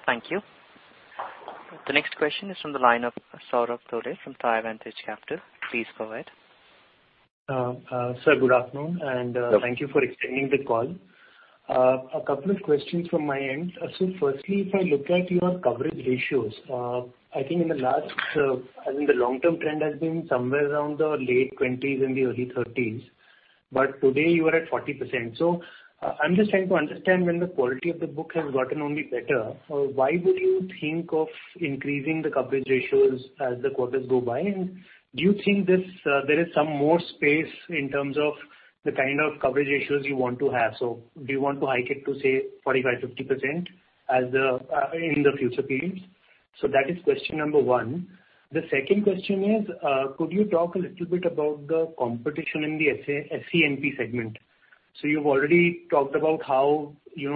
Thank you. The next question is from the line of Saurabh Dhole from Trivantage Capital. Please go ahead. Sir, good afternoon, thank you for extending the call. A couple of questions from my end. Firstly, if I look at your coverage ratios, I think the long-term trend has been somewhere around the late 20s and the early 30s, but today you are at 40%. I'm just trying to understand when the quality of the book has gotten only better, why would you think of increasing the coverage ratios as the quarters go by? Do you think there is some more space in terms of the kind of coverage ratios you want to have? Do you want to hike it to, say, 45%, 50% in the future periods? That is question number one. The second question is, could you talk a little bit about the competition in the SENP segment? You've already talked about how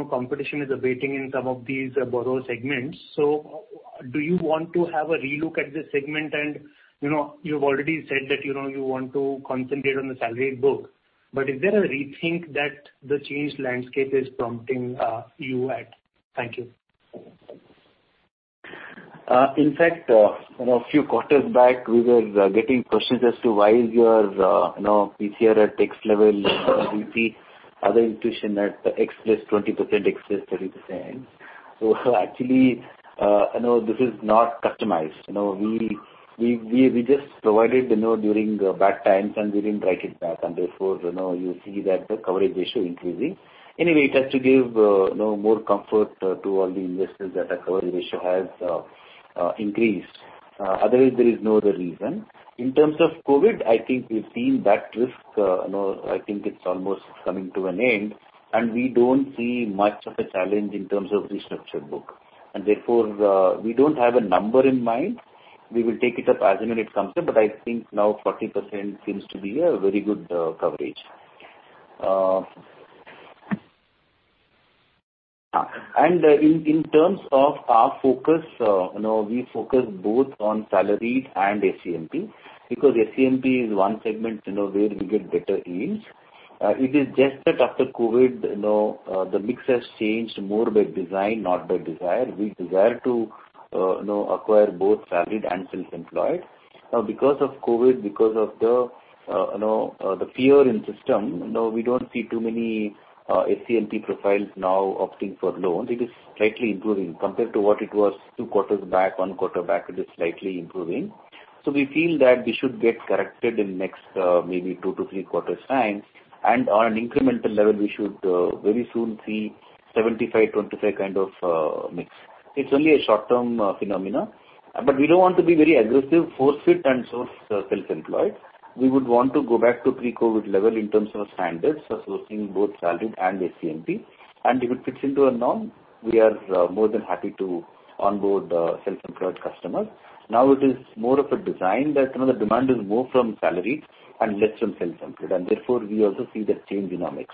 competition is abating in some of these borrow segments. Do you want to have a relook at this segment? You've already said that you want to concentrate on the salaried book, but is there a rethink that the changed landscape is prompting you at? Thank you. In fact, a few quarters back, we were getting questions as to why is your PCR at X level, VP, other institution at X + 20%, X + 30%. Actually, this is not customized. We just provided during bad times, we didn't write it back, therefore, you see that the coverage ratio increasing. Anyway, it has to give more comfort to all the investors that our coverage ratio has increased. Otherwise, there is no other reason. In terms of COVID, I think we've seen that risk, I think it's almost coming to an end, we don't see much of a challenge in terms of the structured book. Therefore, we don't have a number in mind. We will take it up as and when it comes up, I think now 40% seems to be a very good coverage. In terms of our focus, we focus both on salaried and SENP, because SENP is one segment where we get better yields. It is just that after COVID, the mix has changed more by design, not by desire. We desire to acquire both salaried and self-employed. Because of COVID, because of the fear in system, we don't see too many SENP profiles now opting for loans. It is slightly improving compared to what it was two quarters back, one quarter back, it is slightly improving. We feel that we should get corrected in next maybe two to three quarters' time, and on an incremental level, we should very soon see 75-25 kind of a mix. It's only a short-term phenomena. We don't want to be very aggressive, force fit and source self-employed. We would want to go back to pre-COVID level in terms of our standards for sourcing both salaried and SENP. If it fits into a norm, we are more than happy to onboard self-employed customers. Now it is more of a design that the demand is more from salaried and less from self-employed. Therefore, we also see that change in our mix.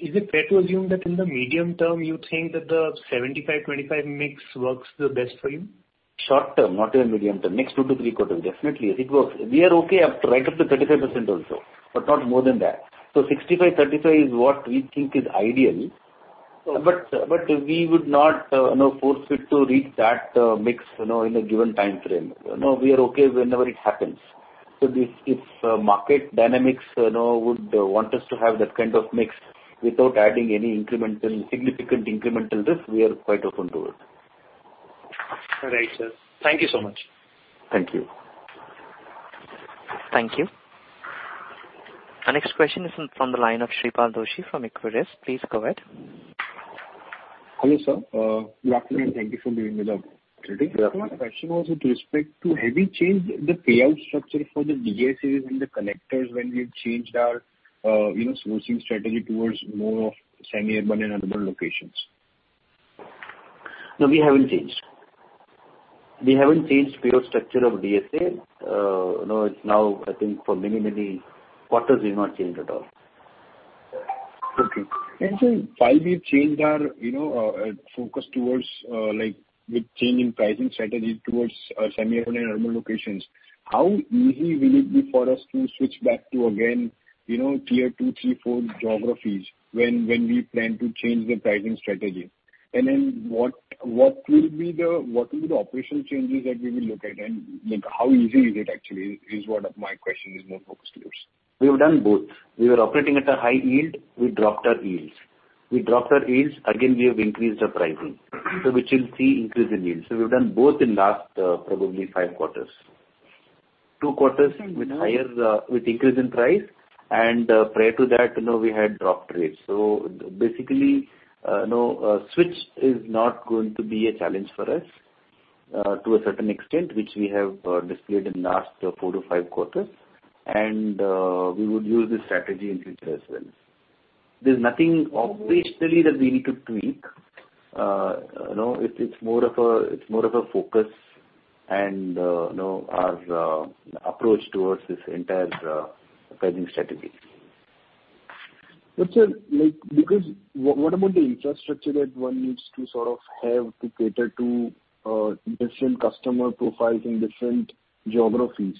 Is it fair to assume that in the medium term, you think that the 75-25 mix works the best for you? Short term, not even medium term. Next two to three quarters, definitely I think it works. We are okay right up to 35% also, but not more than that. 65-35 is what we think is ideal. Okay. We would not force fit to reach that mix in a given time frame. We are okay whenever it happens. If market dynamics would want us to have that kind of mix without adding any significant incremental risk, we are quite open to it. Right, sir. Thank you so much. Thank you. Thank you. Our next question is from the line of Shreepal Doshi from Equirus. Please go ahead. Hello, sir. Good afternoon, thank you for being with us today. Yes, Shreepal. My question was with respect to have you changed the payout structure for the DSA and the connectors when we changed our sourcing strategy towards more of semi-urban and other locations? No, we haven't changed. We haven't changed payout structure of DSA. Now, I think for many, many quarters, we've not changed at all. Okay. Sir, while we've changed our focus with changing pricing strategy towards semi-urban and rural locations, how easy will it be for us to switch back to, again, tier two, three, four geographies when we plan to change the pricing strategy? What will be the operational changes that we will look at, and how easy is it actually, is what my question is more focused towards. We have done both. We were operating at a high yield, we dropped our yields. We dropped our yields, again, we have increased our pricing. Which will see increase in yield. We've done both in last probably five quarters. Now? Increase in price and prior to that, we had dropped rates. Basically, switch is not going to be a challenge for us to a certain extent, which we have displayed in last four to five quarters. We would use this strategy in future as well. There's nothing operationally that we need to tweak. It's more of a focus and our approach towards this entire pricing strategy. Sir, what about the infrastructure that one needs to sort of have to cater to different customer profiles in different geographies?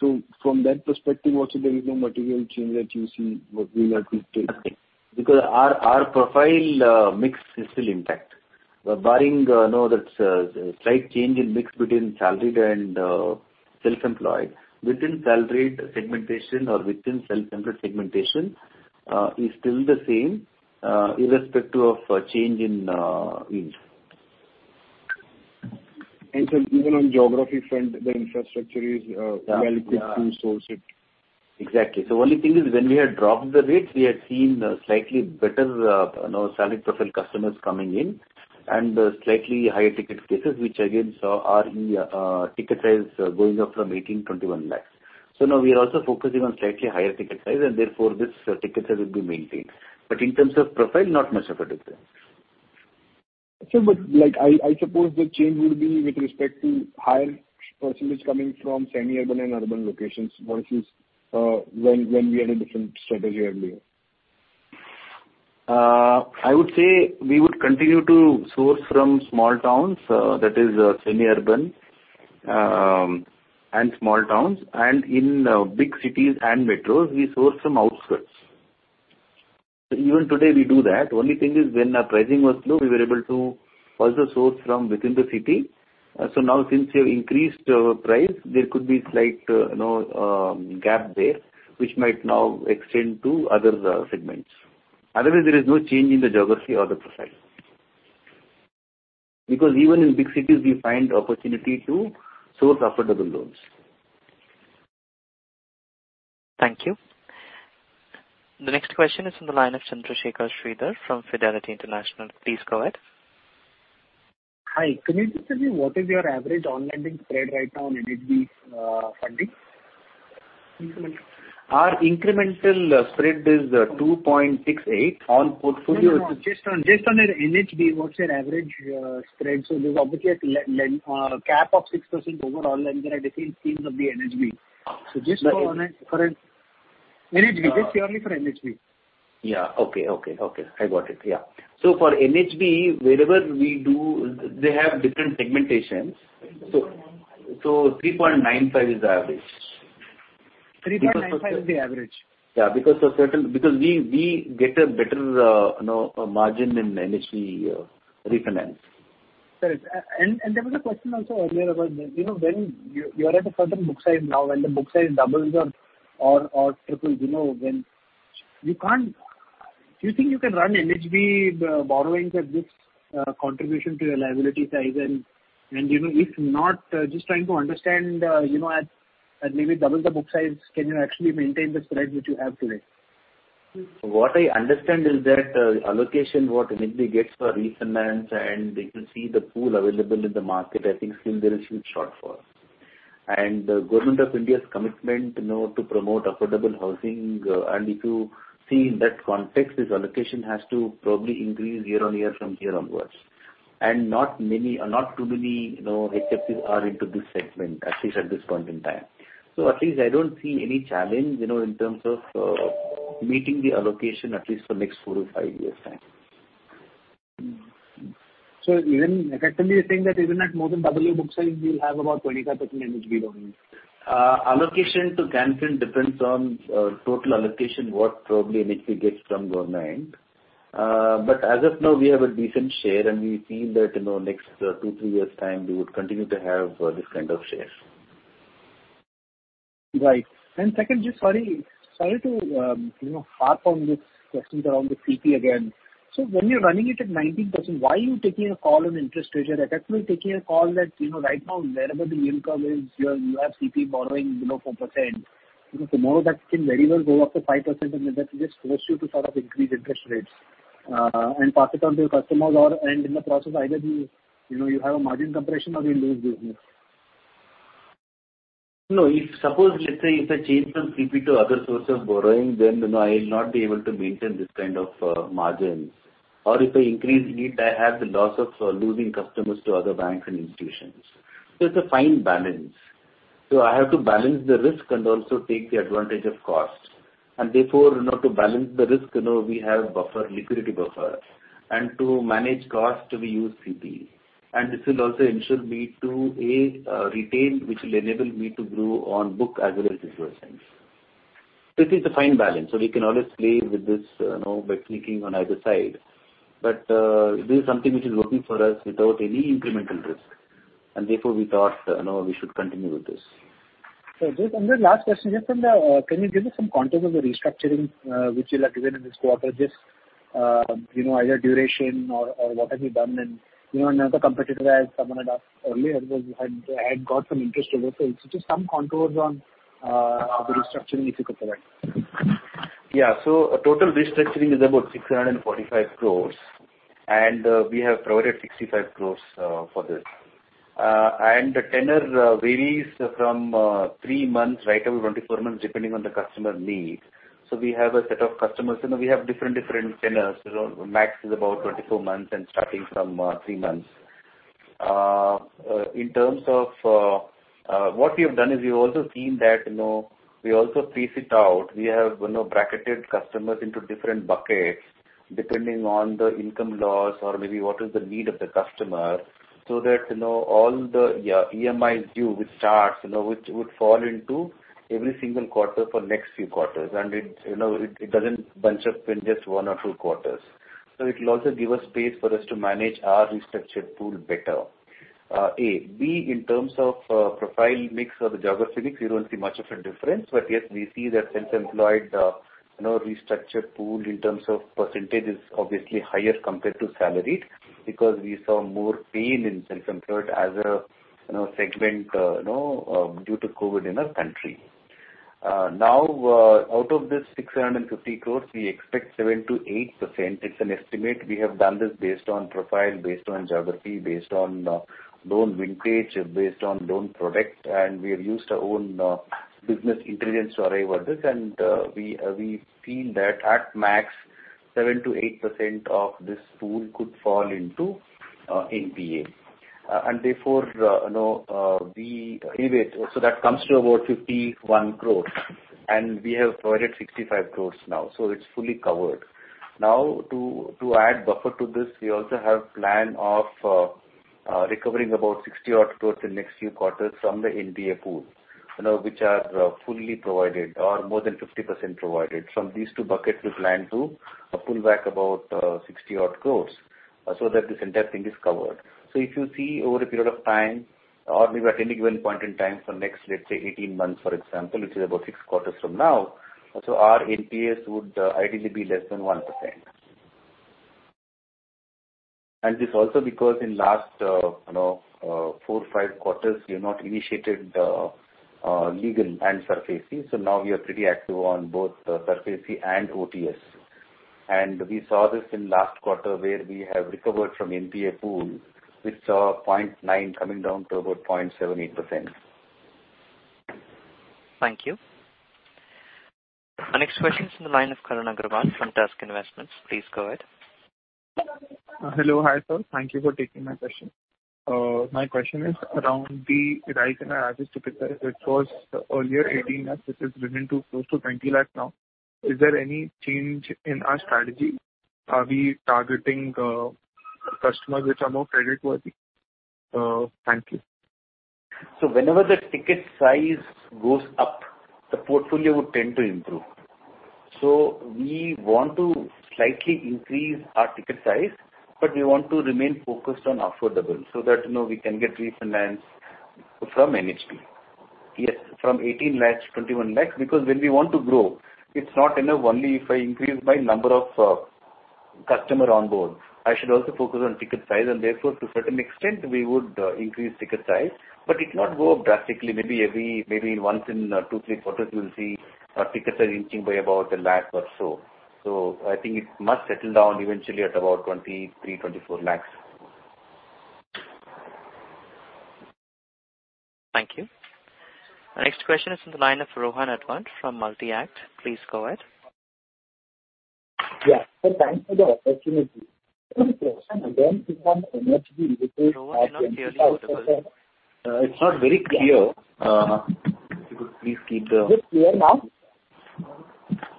From that perspective also, there is no material change that you see what we will have to take? Our profile mix is still intact. Barring that slight change in mix between salaried and self-employed. Within salaried segmentation or within self-employed segmentation is still the same, irrespective of change in yields. Sir, even on geography front, the infrastructure. Yeah well put to source it. Exactly. Only thing is when we had dropped the rates, we had seen slightly better salaried profile customers coming in, and slightly higher ticket cases, which again saw our ticket size going up from 18 lakhs-21 lakhs. Now we are also focusing on slightly higher ticket size, and therefore this ticket size will be maintained. In terms of profile, not much of a difference. Sir, I suppose the change would be with respect to higher % coming from semi-urban and urban locations versus when we had a different strategy earlier. I would say we would continue to source from small towns, that is semi-urban and small towns, and in big cities and metros, we source from outskirts. Even today we do that. Only thing is when our pricing was low, we were able to also source from within the city. Now since we have increased our price, there could be slight gap there, which might now extend to other segments. Otherwise, there is no change in the geography or the profile. Even in big cities, we find opportunity to source affordable loans. Thank you. The next question is on the line of Chandrasekhar Sridhar from Fidelity International. Please go ahead. Hi. Can you just tell me what is your average on-lending spread right now on NHB funding? Incremental. Our incremental spread is 2.68% on portfolio. No, no. Just on NHB, what's your average spread? There's obviously a cap of 6% overall, and then I think teams of the NHB. Just for NHB. Just purely for NHB. Yeah. Okay. I got it. For NHB, they have different segmentations. 3.95% is the average. 3.95% is the average? Yeah, because we get a better margin in NHB refinance. Right. There was a question also earlier about when you are at a certain book size now, when the book size doubles or triples. Do you think you can run NHB borrowings at this contribution to your liability size? If not, just trying to understand, at maybe double the book size, can you actually maintain the spread which you have today? What I understand is that allocation what NHB gets for refinance and if you see the pool available in the market, I think still there is huge shortfall. Government of India's commitment to promote affordable housing, and if you see in that context, this allocation has to probably increase year-on-year from here onwards. Not too many HFIs are into this segment, at least at this point in time. At least I don't see any challenge in terms of meeting the allocation at least for next four to five years' time. Effectively you're saying that even at more than double your book size, you will have about 25% NHB loans. Allocation to Can Fin depends on total allocation, what probably NHB gets from Government. As of now, we have a decent share, and we feel that next two, three years' time, we would continue to have this kind of shares. Right. Second, just sorry to harp on these questions around the CP again. When you're running it at 19%, why are you taking a call on interest rates? You're effectively taking a call that right now, wherever the income is, you have CP borrowing below 4%. Tomorrow that can very well go up to 5%, and that will just force you to sort of increase interest rates and pass it on to your customers, and in the process, either you have a margin compression or you lose business. No. Suppose, let's say if I change from CP to other source of borrowing, I will not be able to maintain this kind of margins. If I increase it, I have the loss of losing customers to other banks and institutions. It's a fine balance. I have to balance the risk and also take the advantage of cost. Therefore, to balance the risk, we have liquidity buffer, and to manage cost, we use CP. This will also ensure me to retain, which will enable me to grow on book as well as resources. It is a fine balance, so we can always play with this by tweaking on either side. This is something which is working for us without any incremental risk, and therefore we thought we should continue with this. Sir, just under last question, can you give me some contours of the restructuring which you have given in this quarter? Either duration or what have you done and another competitor, as someone had asked earlier because I had got some interest over. Just some contours on the restructuring, if you could provide. Total restructuring is about 645 crore, and we have provided 65 crore for this. The tenure varies from three months right up to 24 months, depending on the customer need. We have a set of customers, we have different tenures. Max is about 24 months and starting from three months. In terms of what we have done is we also see that we also phase it out. We have bracketed customers into different buckets depending on the income loss or maybe what is the need of the customer, so that all the EMIs due, which starts, which would fall into every single quarter for next few quarters, and it doesn't bunch up in just one or two quarters. It will also give us space for us to manage our restructured pool better, A. In terms of profile mix or the geography mix, we don't see much of a difference. Yes, we see that self-employed restructured pool in terms of % is obviously higher compared to salaried because we saw more pain in self-employed as a segment due to COVID in our country. Out of this 650 crores, we expect 7%-8%. It's an estimate. We have done this based on profile, based on geography, based on loan vintage, based on loan product. We have used our own business intelligence to arrive at this. We feel that at max 7%-8% of this pool could fall into NPA. Therefore, we give it. That comes to about 51 crores. We have provided 65 crores now. It's fully covered. To add buffer to this, we also have plan of recovering about 60 odd crores in next few quarters from the NPA pool, which are fully provided or more than 50% provided. From these two buckets, we plan to pull back about 60 odd crores so that this entire thing is covered. If you see over a period of time or maybe at any given point in time for next, let's say, 18 months, for example, which is about six quarters from now, so our NPAs would ideally be less than 1%. This also because in last four, five quarters, we have not initiated legal and SARFAESI. Now we are pretty active on both SARFAESI and OTS. We saw this in last quarter where we have recovered from NPA pool, which saw 0.9% coming down to about 0.78%. Thank you. Our next question is on the line of Karan Agarwal from Tusk Investments. Please go ahead. Hello. Hi, sir. Thank you for taking my question. My question is around the rise in our average ticket size, which was earlier 18 lakhs, which has risen to close to 20 lakhs now. Is there any change in our strategy? Are we targeting customers which are more creditworthy? Thank you. Whenever the ticket size goes up, the portfolio would tend to improve. We want to slightly increase our ticket size, but we want to remain focused on affordable so that we can get refinance from NHB. From 18 lakhs, 21 lakhs because when we want to grow, it's not enough only if I increase my number of customer on board. I should also focus on ticket size, and therefore to certain extent, we would increase ticket size. It not go up drastically. Maybe once in two, three quarters we will see our ticket size inching by about an lakh or so. I think it must settle down eventually at about 23 lakhs, 24 lakhs. Thank you. Our next question is on the line of Rohan Advant from Multi-Act. Please go ahead. Yeah. Sir, thanks for the opportunity. One question again. Rohan, we're not hearing you very well. It's not very clear. Could you please keep the Is it clear now?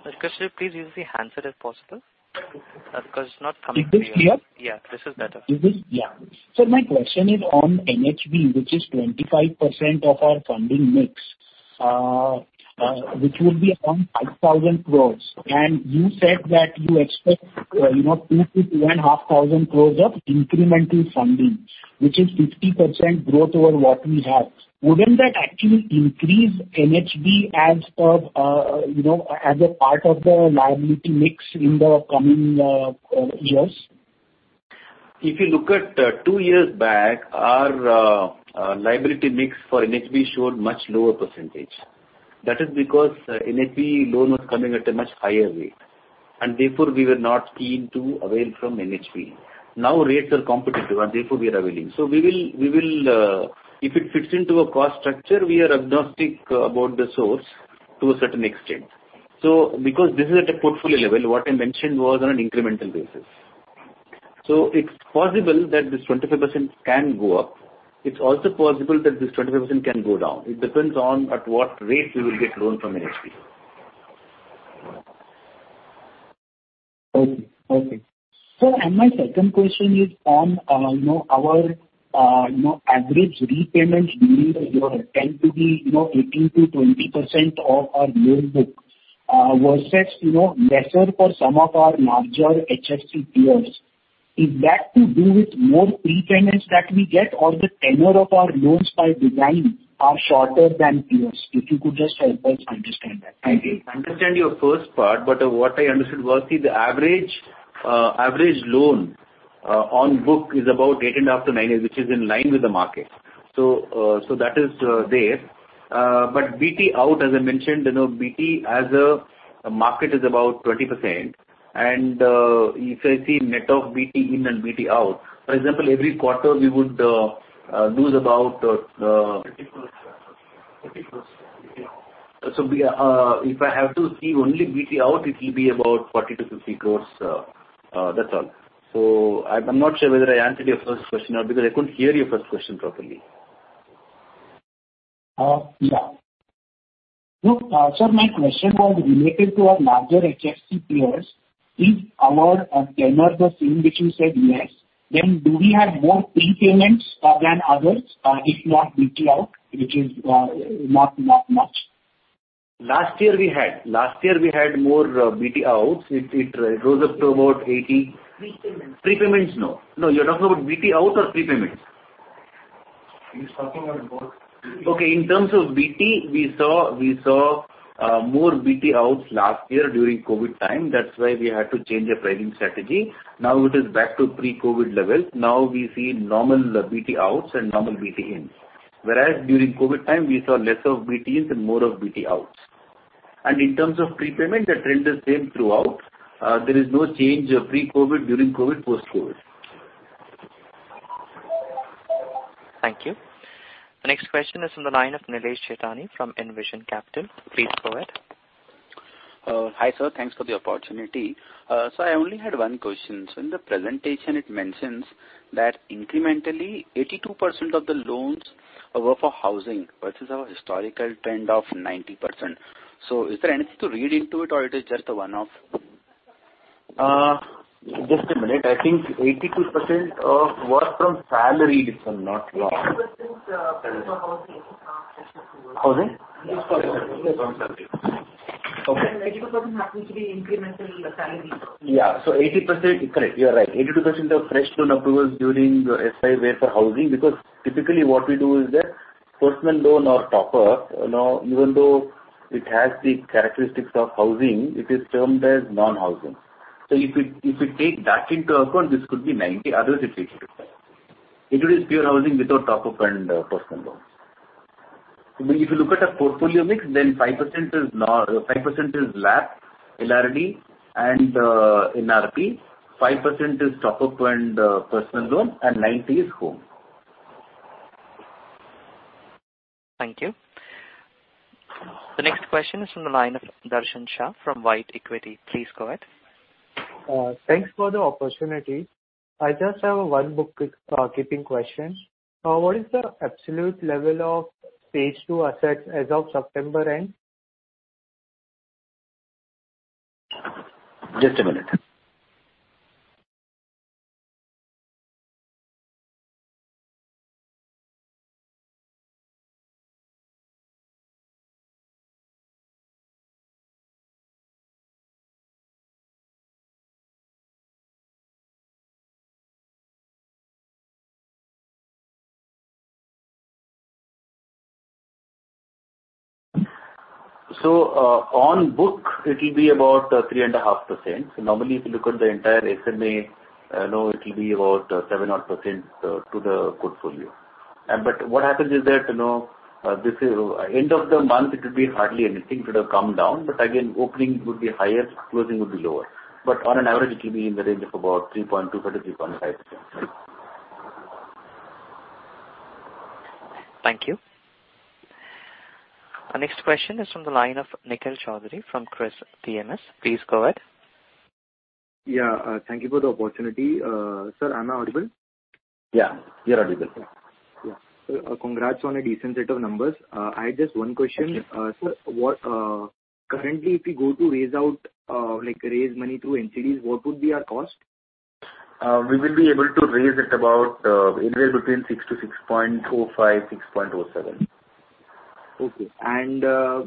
Sir, could you please use the handset if possible? Because it's not coming clear. Is this clear? Yeah. This is better. Is this? Yeah. Sir, my question is on NHB, which is 25% of our funding mix, which will be around 5,000 crores. You said that you expect 2,000-2,500 crores of incremental funding, which is 50% growth over what we have. Wouldn't that actually increase NHB as a part of the liability mix in the coming years? If you look at two years back, our liability mix for NHB showed much lower percentage. That is because NHB loan was coming at a much higher rate, and therefore we were not keen to avail from NHB. Rates are competitive, and therefore we are availing. If it fits into a cost structure, we are agnostic about the source to a certain extent. Because this is at a portfolio level, what I mentioned was on an incremental basis. It's possible that this 25% can go up. It's also possible that this 25% can go down. It depends on at what rate we will get loan from NHB. Okay. Sir, my second question is on our average repayments during the year tend to be 18%-20% of our loan book versus lesser for some of our larger HFC peers. Is that to do with more pre-payments that we get or the tenure of our loans by design are shorter than peers? If you could just help us understand that. Thank you. I understand your first part, but what I understood was, see, the average loan on book is about eight and a half to nine years, which is in line with the market. That is there. BT out, as I mentioned, BT as a market is about 20%. If I see net of BT in and BT out, for example, every quarter we would lose about. 50 crores. INR 50 crores BT out. If I have to see only BT out, it will be about 40 crore-50 crore. That's all. I'm not sure whether I answered your first question or not because I couldn't hear your first question properly. Yeah. Sir, my question was related to our larger HFC peers. Is our tenure the same, which you said yes? Do we have more pre-payments than others if not BT out, which is not much? Last year we had more BT outs. It rose up to about 80. Pre-payments. Pre-payments, no. No, you're talking about BT out or pre-payments? He's talking about both. Okay, in terms of BT, we saw more BT outs last year during COVID time. That's why we had to change our pricing strategy. Now it is back to pre-COVID levels. Now we see normal BT outs and normal BT ins. Whereas during COVID time, we saw less of BT ins and more of BT outs. In terms of prepayment, the trend is same throughout. There is no change pre-COVID, during COVID, post-COVID. Thank you. The next question is on the line of Nilesh Jethani from Envision Capital. Please go ahead. Hi, sir. Thanks for the opportunity. Sir, I only had one question. In the presentation it mentions that incrementally, 82% of the loans were for housing versus our historical trend of 90%. Is there anything to read into it or it is just a one-off? Just a minute. I think 82% was from salaried, sir, not loans. 82% was for housing. How is it? 82% happened to be incremental salaried. Yeah. 80%, correct, you are right. 82% of fresh loan approvals during FY were for housing because typically what we do is that personal loan or top-up, even though it has the characteristics of housing, it is termed as non-housing. If you take that into account, this could be 90%, otherwise it's 82%. It is pure housing without top-up and personal loans. If you look at our portfolio mix, 5% is LAP, LRD, and NRP, 5% is top-up and personal loan, and 90% is home. Thank you. The next question is from the line of Darshan Shah from White Equity. Please go ahead. Thanks for the opportunity. I just have one bookkeeping question. What is the absolute level of Stage two assets as of September end? Just a minute. On book, it will be about 3.5%. Normally, if you look at the entire SMA, it will be about 7%-odd to the portfolio. What happens is that end of the month, it will be hardly anything. It would have come down, but again, opening would be higher, closing would be lower. On an average, it will be in the range of about 3.2%-3.5%. Thank you. Our next question is from the line of Nikhil Chowdhary from Kriis PMS. Please go ahead. Yeah, thank you for the opportunity. Sir, am I audible? Yeah, you're audible. Yeah. Sir, congrats on a decent set of numbers. I had just one question. Okay. Sir, currently if we go to raise money through NCDs, what would be our cost? We will be able to raise at about in range between 6% to 6.05%, 6.07%. Okay. What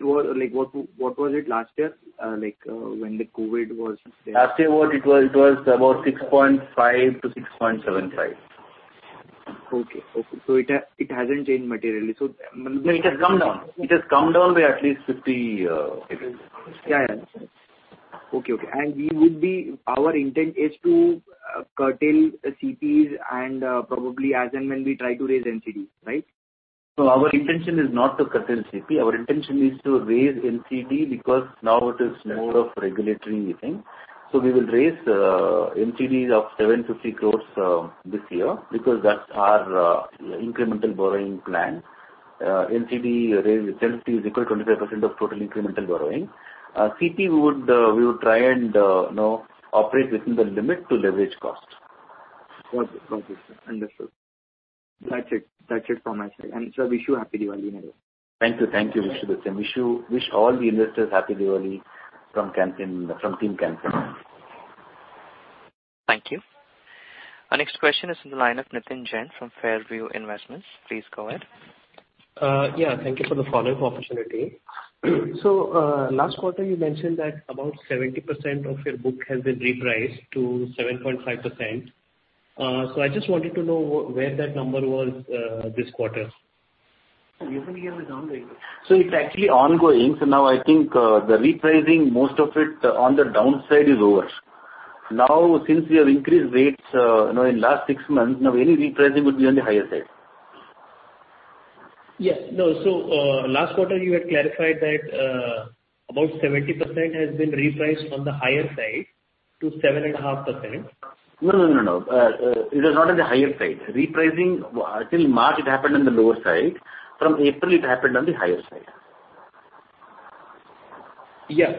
was it last year when the COVID was there? Last year it was about 6.5%-6.75%. Okay. It hasn't changed materially. No, it has come down. It has come down by at least 50 basis points. Yeah. Okay. Our intent is to curtail CPs and probably as and when we try to raise NCD, right? No, our intention is not to curtail CP. Our intention is to raise NCD because now it is more of a regulatory thing. We will raise NCDs of 750 crore this year because that's our incremental borrowing plan. NCD is equal to 25% of total incremental borrowing. CP, we would try and operate within the limit to leverage cost. Got it, sir. Understood. That's it from my side. Sir, wish you Happy Diwali in advance. Thank you. Thank you. Wish the same. Wish all the investors Happy Diwali from team Can Fin Homes. Thank you. Our next question is from the line of Nitin Jain from Fairview Investments. Please go ahead. Thank you for the follow-up opportunity. Last quarter you mentioned that about 70% of your book has been repriced to 7.5%. I just wanted to know where that number was this quarter. Even here it is on the increase. It's actually ongoing. Now I think the repricing, most of it on the downside is over. Since we have increased rates in the last six months, now any repricing would be on the higher side. Yeah. No. Last quarter you had clarified that about 70% has been repriced on the higher side to 7.5%. No. It is not on the higher side. Repricing, till March it happened on the lower side. From April, it happened on the higher side. Yeah.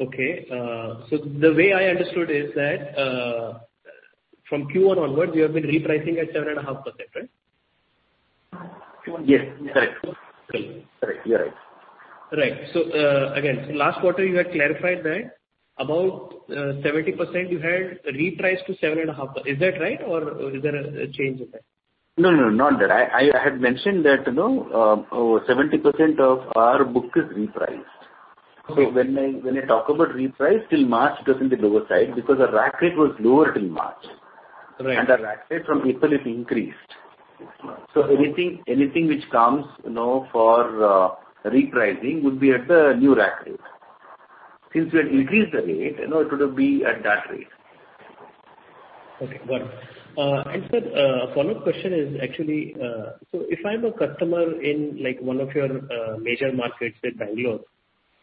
Okay. The way I understood is that from Q1 onwards, you have been repricing at 7.5%, right? Yes, correct. Okay. Correct. You're right. Right. Again, last quarter you had clarified that about 70% you had repriced to 7.5%. Is that right or is there a change in that? No, not that. I had mentioned that 70% of our book is repriced. Okay. When I talk about reprice, till March, it was in the lower side because our rack rate was lower till March. Right. The rack rate from April is increased. Anything which comes for repricing would be at the new rack rate. Since we had increased the rate, it would be at that rate. Okay, got it. Sir, a follow-up question is actually, if I'm a customer in one of your major markets, say Bangalore,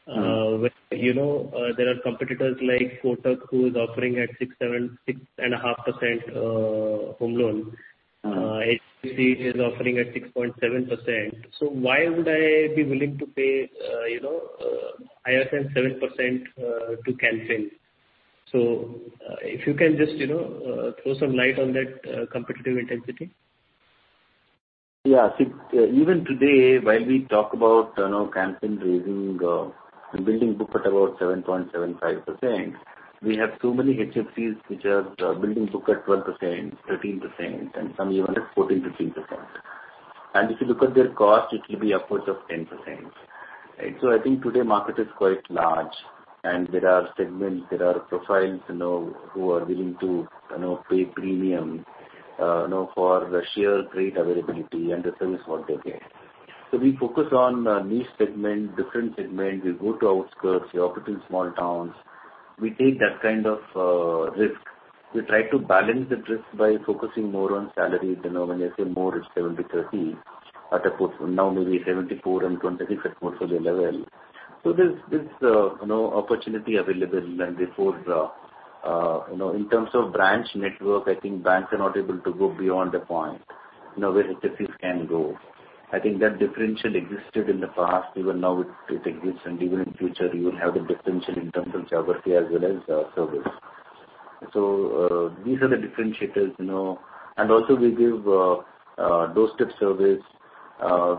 when there are competitors like Kotak who is offering at 6.5% home loan. HDFC is offering at 6.7%. Why would I be willing to pay higher than 7% to housing finance? If you can just throw some light on that competitive intensity. Yeah. See, even today, while we talk about housing finance raising the building book at about 7.75%, we have too many HFCs which are building book at 12%, 13%, and some even at 14%, 15%. If you look at their cost, it will be upwards of 10%. I think today market is quite large, and there are segments, there are profiles who are willing to pay premium for the sheer credit availability and the service what they get. We focus on niche segment, different segment. We go to outskirts, we operate in small towns. We take that kind of risk. We try to balance the risk by focusing more on salaried. When I say more, it's 70/30. At a point now maybe 74% and 26% at portfolio level. There's opportunity available and therefore, in terms of branch network, I think banks are not able to go beyond a point where HFCs can go. I think that differential existed in the past, even now it exists, and even in future, you will have the differential in terms of geography as well as service. These are the differentiators. Also we give doorstep service.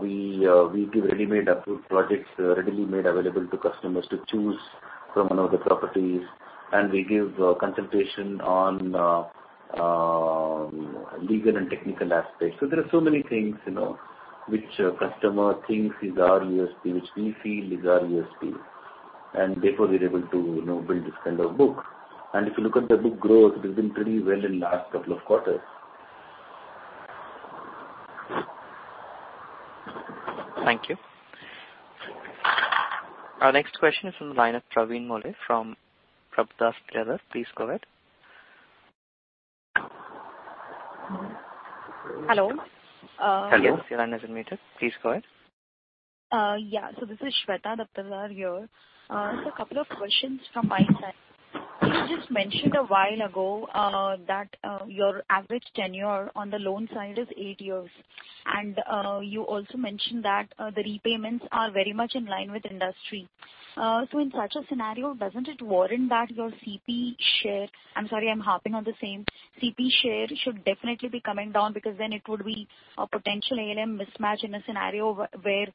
We give ready-made approved projects readily made available to customers to choose from one of the properties. We give consultation on legal and technical aspects. There are so many things which a customer thinks is our USP, which we feel is our USP. Therefore we are able to build this kind of book. If you look at the book growth, it has been pretty well in last couple of quarters. Thank you. Our next question is from the line of Pravin Mule from Prabhudas Lilladher. Please go ahead. Hello. Yes, your line is unmuted. Please go ahead. This is Shweta Daptardar here. Couple of questions from my side. You just mentioned a while ago that your average tenure on the loan side is eight years. You also mentioned that the repayments are very much in line with industry. In such a scenario, doesn't it warrant that your CP share, I'm sorry I'm harping on the same, CP share should definitely be coming down because then it would be a potential ALM mismatch in a scenario where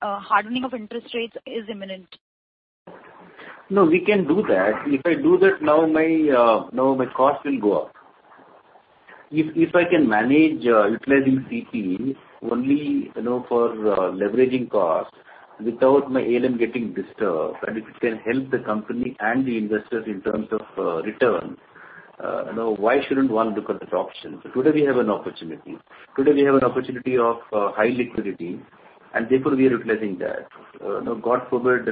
hardening of interest rates is imminent? No, we can do that. If I do that now, my cost will go up. If I can manage utilizing CP only for leveraging cost without my ALM getting disturbed, and if it can help the company and the investors in terms of return, why shouldn't one look at that option? Today we have an opportunity. Today we have an opportunity of high liquidity, and therefore we are utilizing that. God forbid,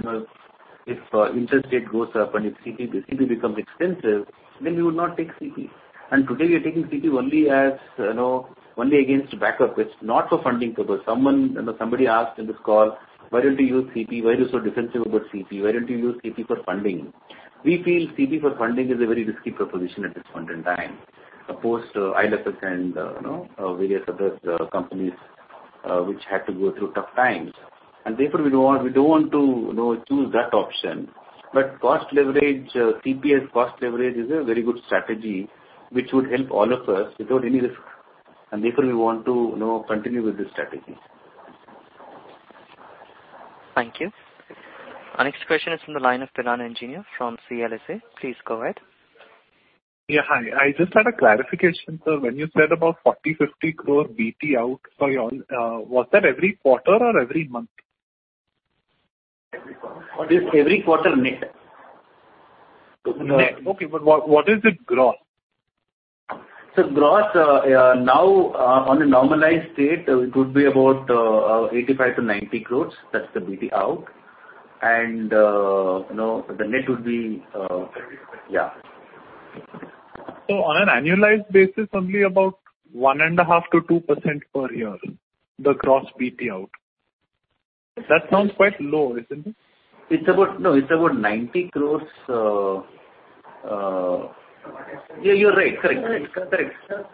if interest rate goes up and if CP becomes expensive, then we would not take CP. Today we are taking CP only against backup risk, not for funding purpose. Somebody asked in this call, "Why don't you use CP? Why are you so defensive about CP? Why don't you use CP for funding?" We feel CP for funding is a very risky proposition at this point in time. Post IL&FS and various other companies which had to go through tough times. Therefore we don't want to choose that option. CP as cost leverage is a very good strategy which would help all of us without any risk, and therefore we want to continue with this strategy. Thank you. Our next question is from the line of Piran Engineer from CLSA. Please go ahead. Yeah, hi. I just had a clarification, sir. When you said about 40 crore-50 crore BT out for your own, was that every quarter or every month? Every quarter. It is every quarter net. Okay. What is it gross? Sir gross now on a normalized state, it would be about 85 crores-90 crores. That's the BT out. On an annualized basis, only about one and a half to 2% per year, the gross BT out. That sounds quite low, isn't it? No, it's about 90 crores. Yeah, you're right. Correct.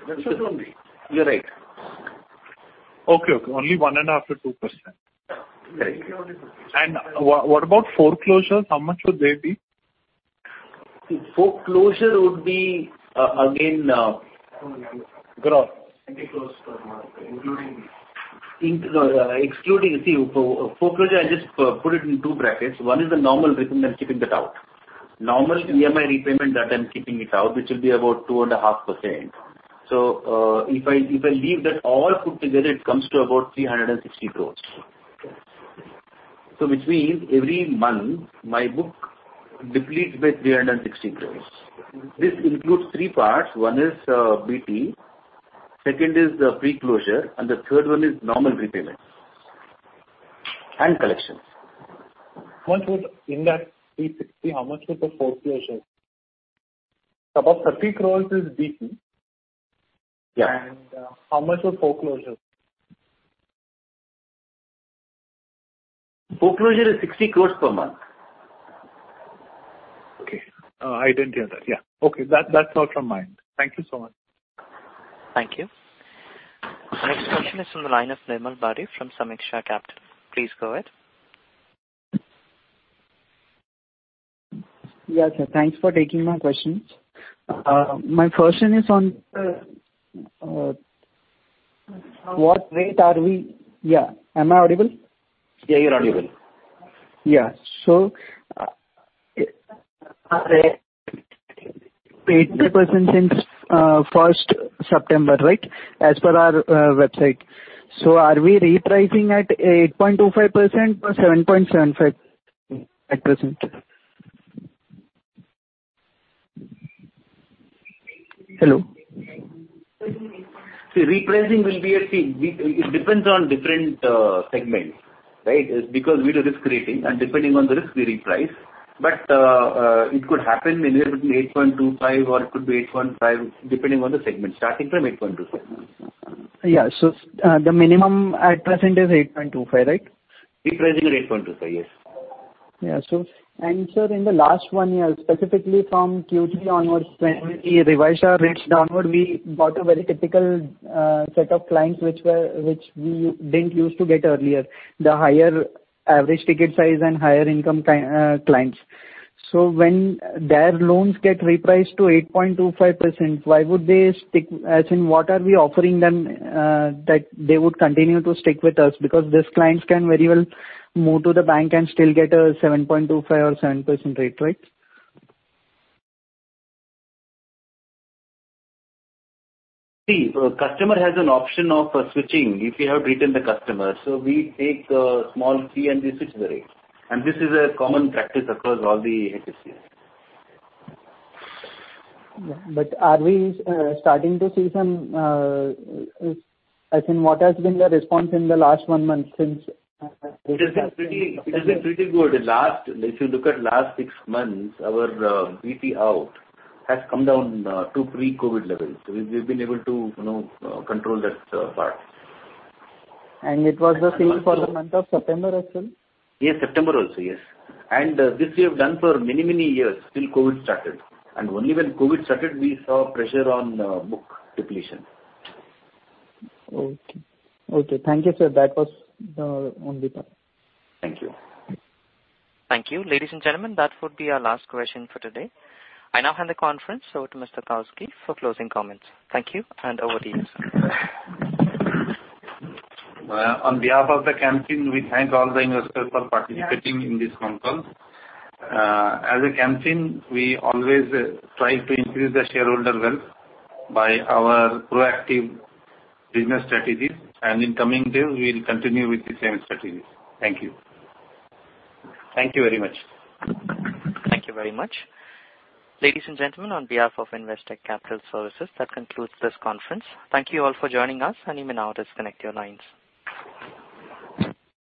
That's what I mean. You're right. Okay. Only one and a half to 2%. Yeah. What about foreclosures? How much would they be? Foreclosure would be again Gross. INR 90 crores per month including Excluding. Foreclosure, I just put it in two brackets. One is the normal repayment, keeping that out. Normal EMI repayment that I'm keeping it out, which will be about 2.5%. If I leave that all put together, it comes to about 360 crores. Which means every month my book depletes by 360 crores. This includes three parts. One is BT, second is preclosure, and the third one is normal repayment and collections. In that 360, how much was the foreclosure? About INR 30 crores is BT. Yeah. How much was foreclosure? Foreclosure is 60 crores per month. Okay. I didn't hear that. Yeah. Okay. That's all from my end. Thank you so much. Thank you. Next question is from the line of Nirmal Bari from Sameeksha Capital. Please go ahead. Yeah, sure. Thanks for taking my question. My question is on, what rate are we. Am I audible? Yeah, you're audible. Yeah. Are they 8% since 1st September, right? As per our website. Are we repricing at 8.25% or 7.75% at present? Hello? See, repricing will be a thing. It depends on different segments, right? Because we do risk rating, and depending on the risk, we reprice. It could happen anywhere between 8.25% or it could be 8.5%, depending on the segment, starting from 8.25%. Yeah. The minimum at present is 8.25%, right? Repricing at 8.25%, yes. Yeah. Sir, in the last one year, specifically from Q3 onwards, when we revised our rates downward, we got a very typical set of clients which we didn't use to get earlier, the higher average ticket size and higher-income clients. When their loans get repriced to 8.25%, why would they stick, as in, what are we offering them that they would continue to stick with us? These clients can very well move to the bank and still get a 7.25% or 7% rate, right? See, customer has an option of switching if we have retained the customer. We take a small fee, and we switch the rate. This is a common practice across all the HFCs. Yeah, are we starting to see what has been the response in the last one month since. It has been pretty good. If you look at last six months, our BT out has come down to pre-COVID levels. We've been able to control that part. It was the same for the month of September as well? Yes, September also, yes. This we have done for many, many years till COVID started, and only when COVID started, we saw pressure on book depletion. Okay. Thank you, sir. That was the only part. Thank you. Thank you. Ladies and gentlemen, that would be our last question for today. I now hand the conference over to Mr. Girish Kousgi for closing comments. Thank you, and over to you, sir. On behalf of the company, we thank all the investors for participating in this conference. As a company, we always try to increase the shareholder wealth by our proactive business strategies, and in coming days, we'll continue with the same strategies. Thank you. Thank you very much. Thank you very much. Ladies and gentlemen, on behalf of Investec Capital Services, that concludes this conference. Thank you all for joining us, and you may now disconnect your lines.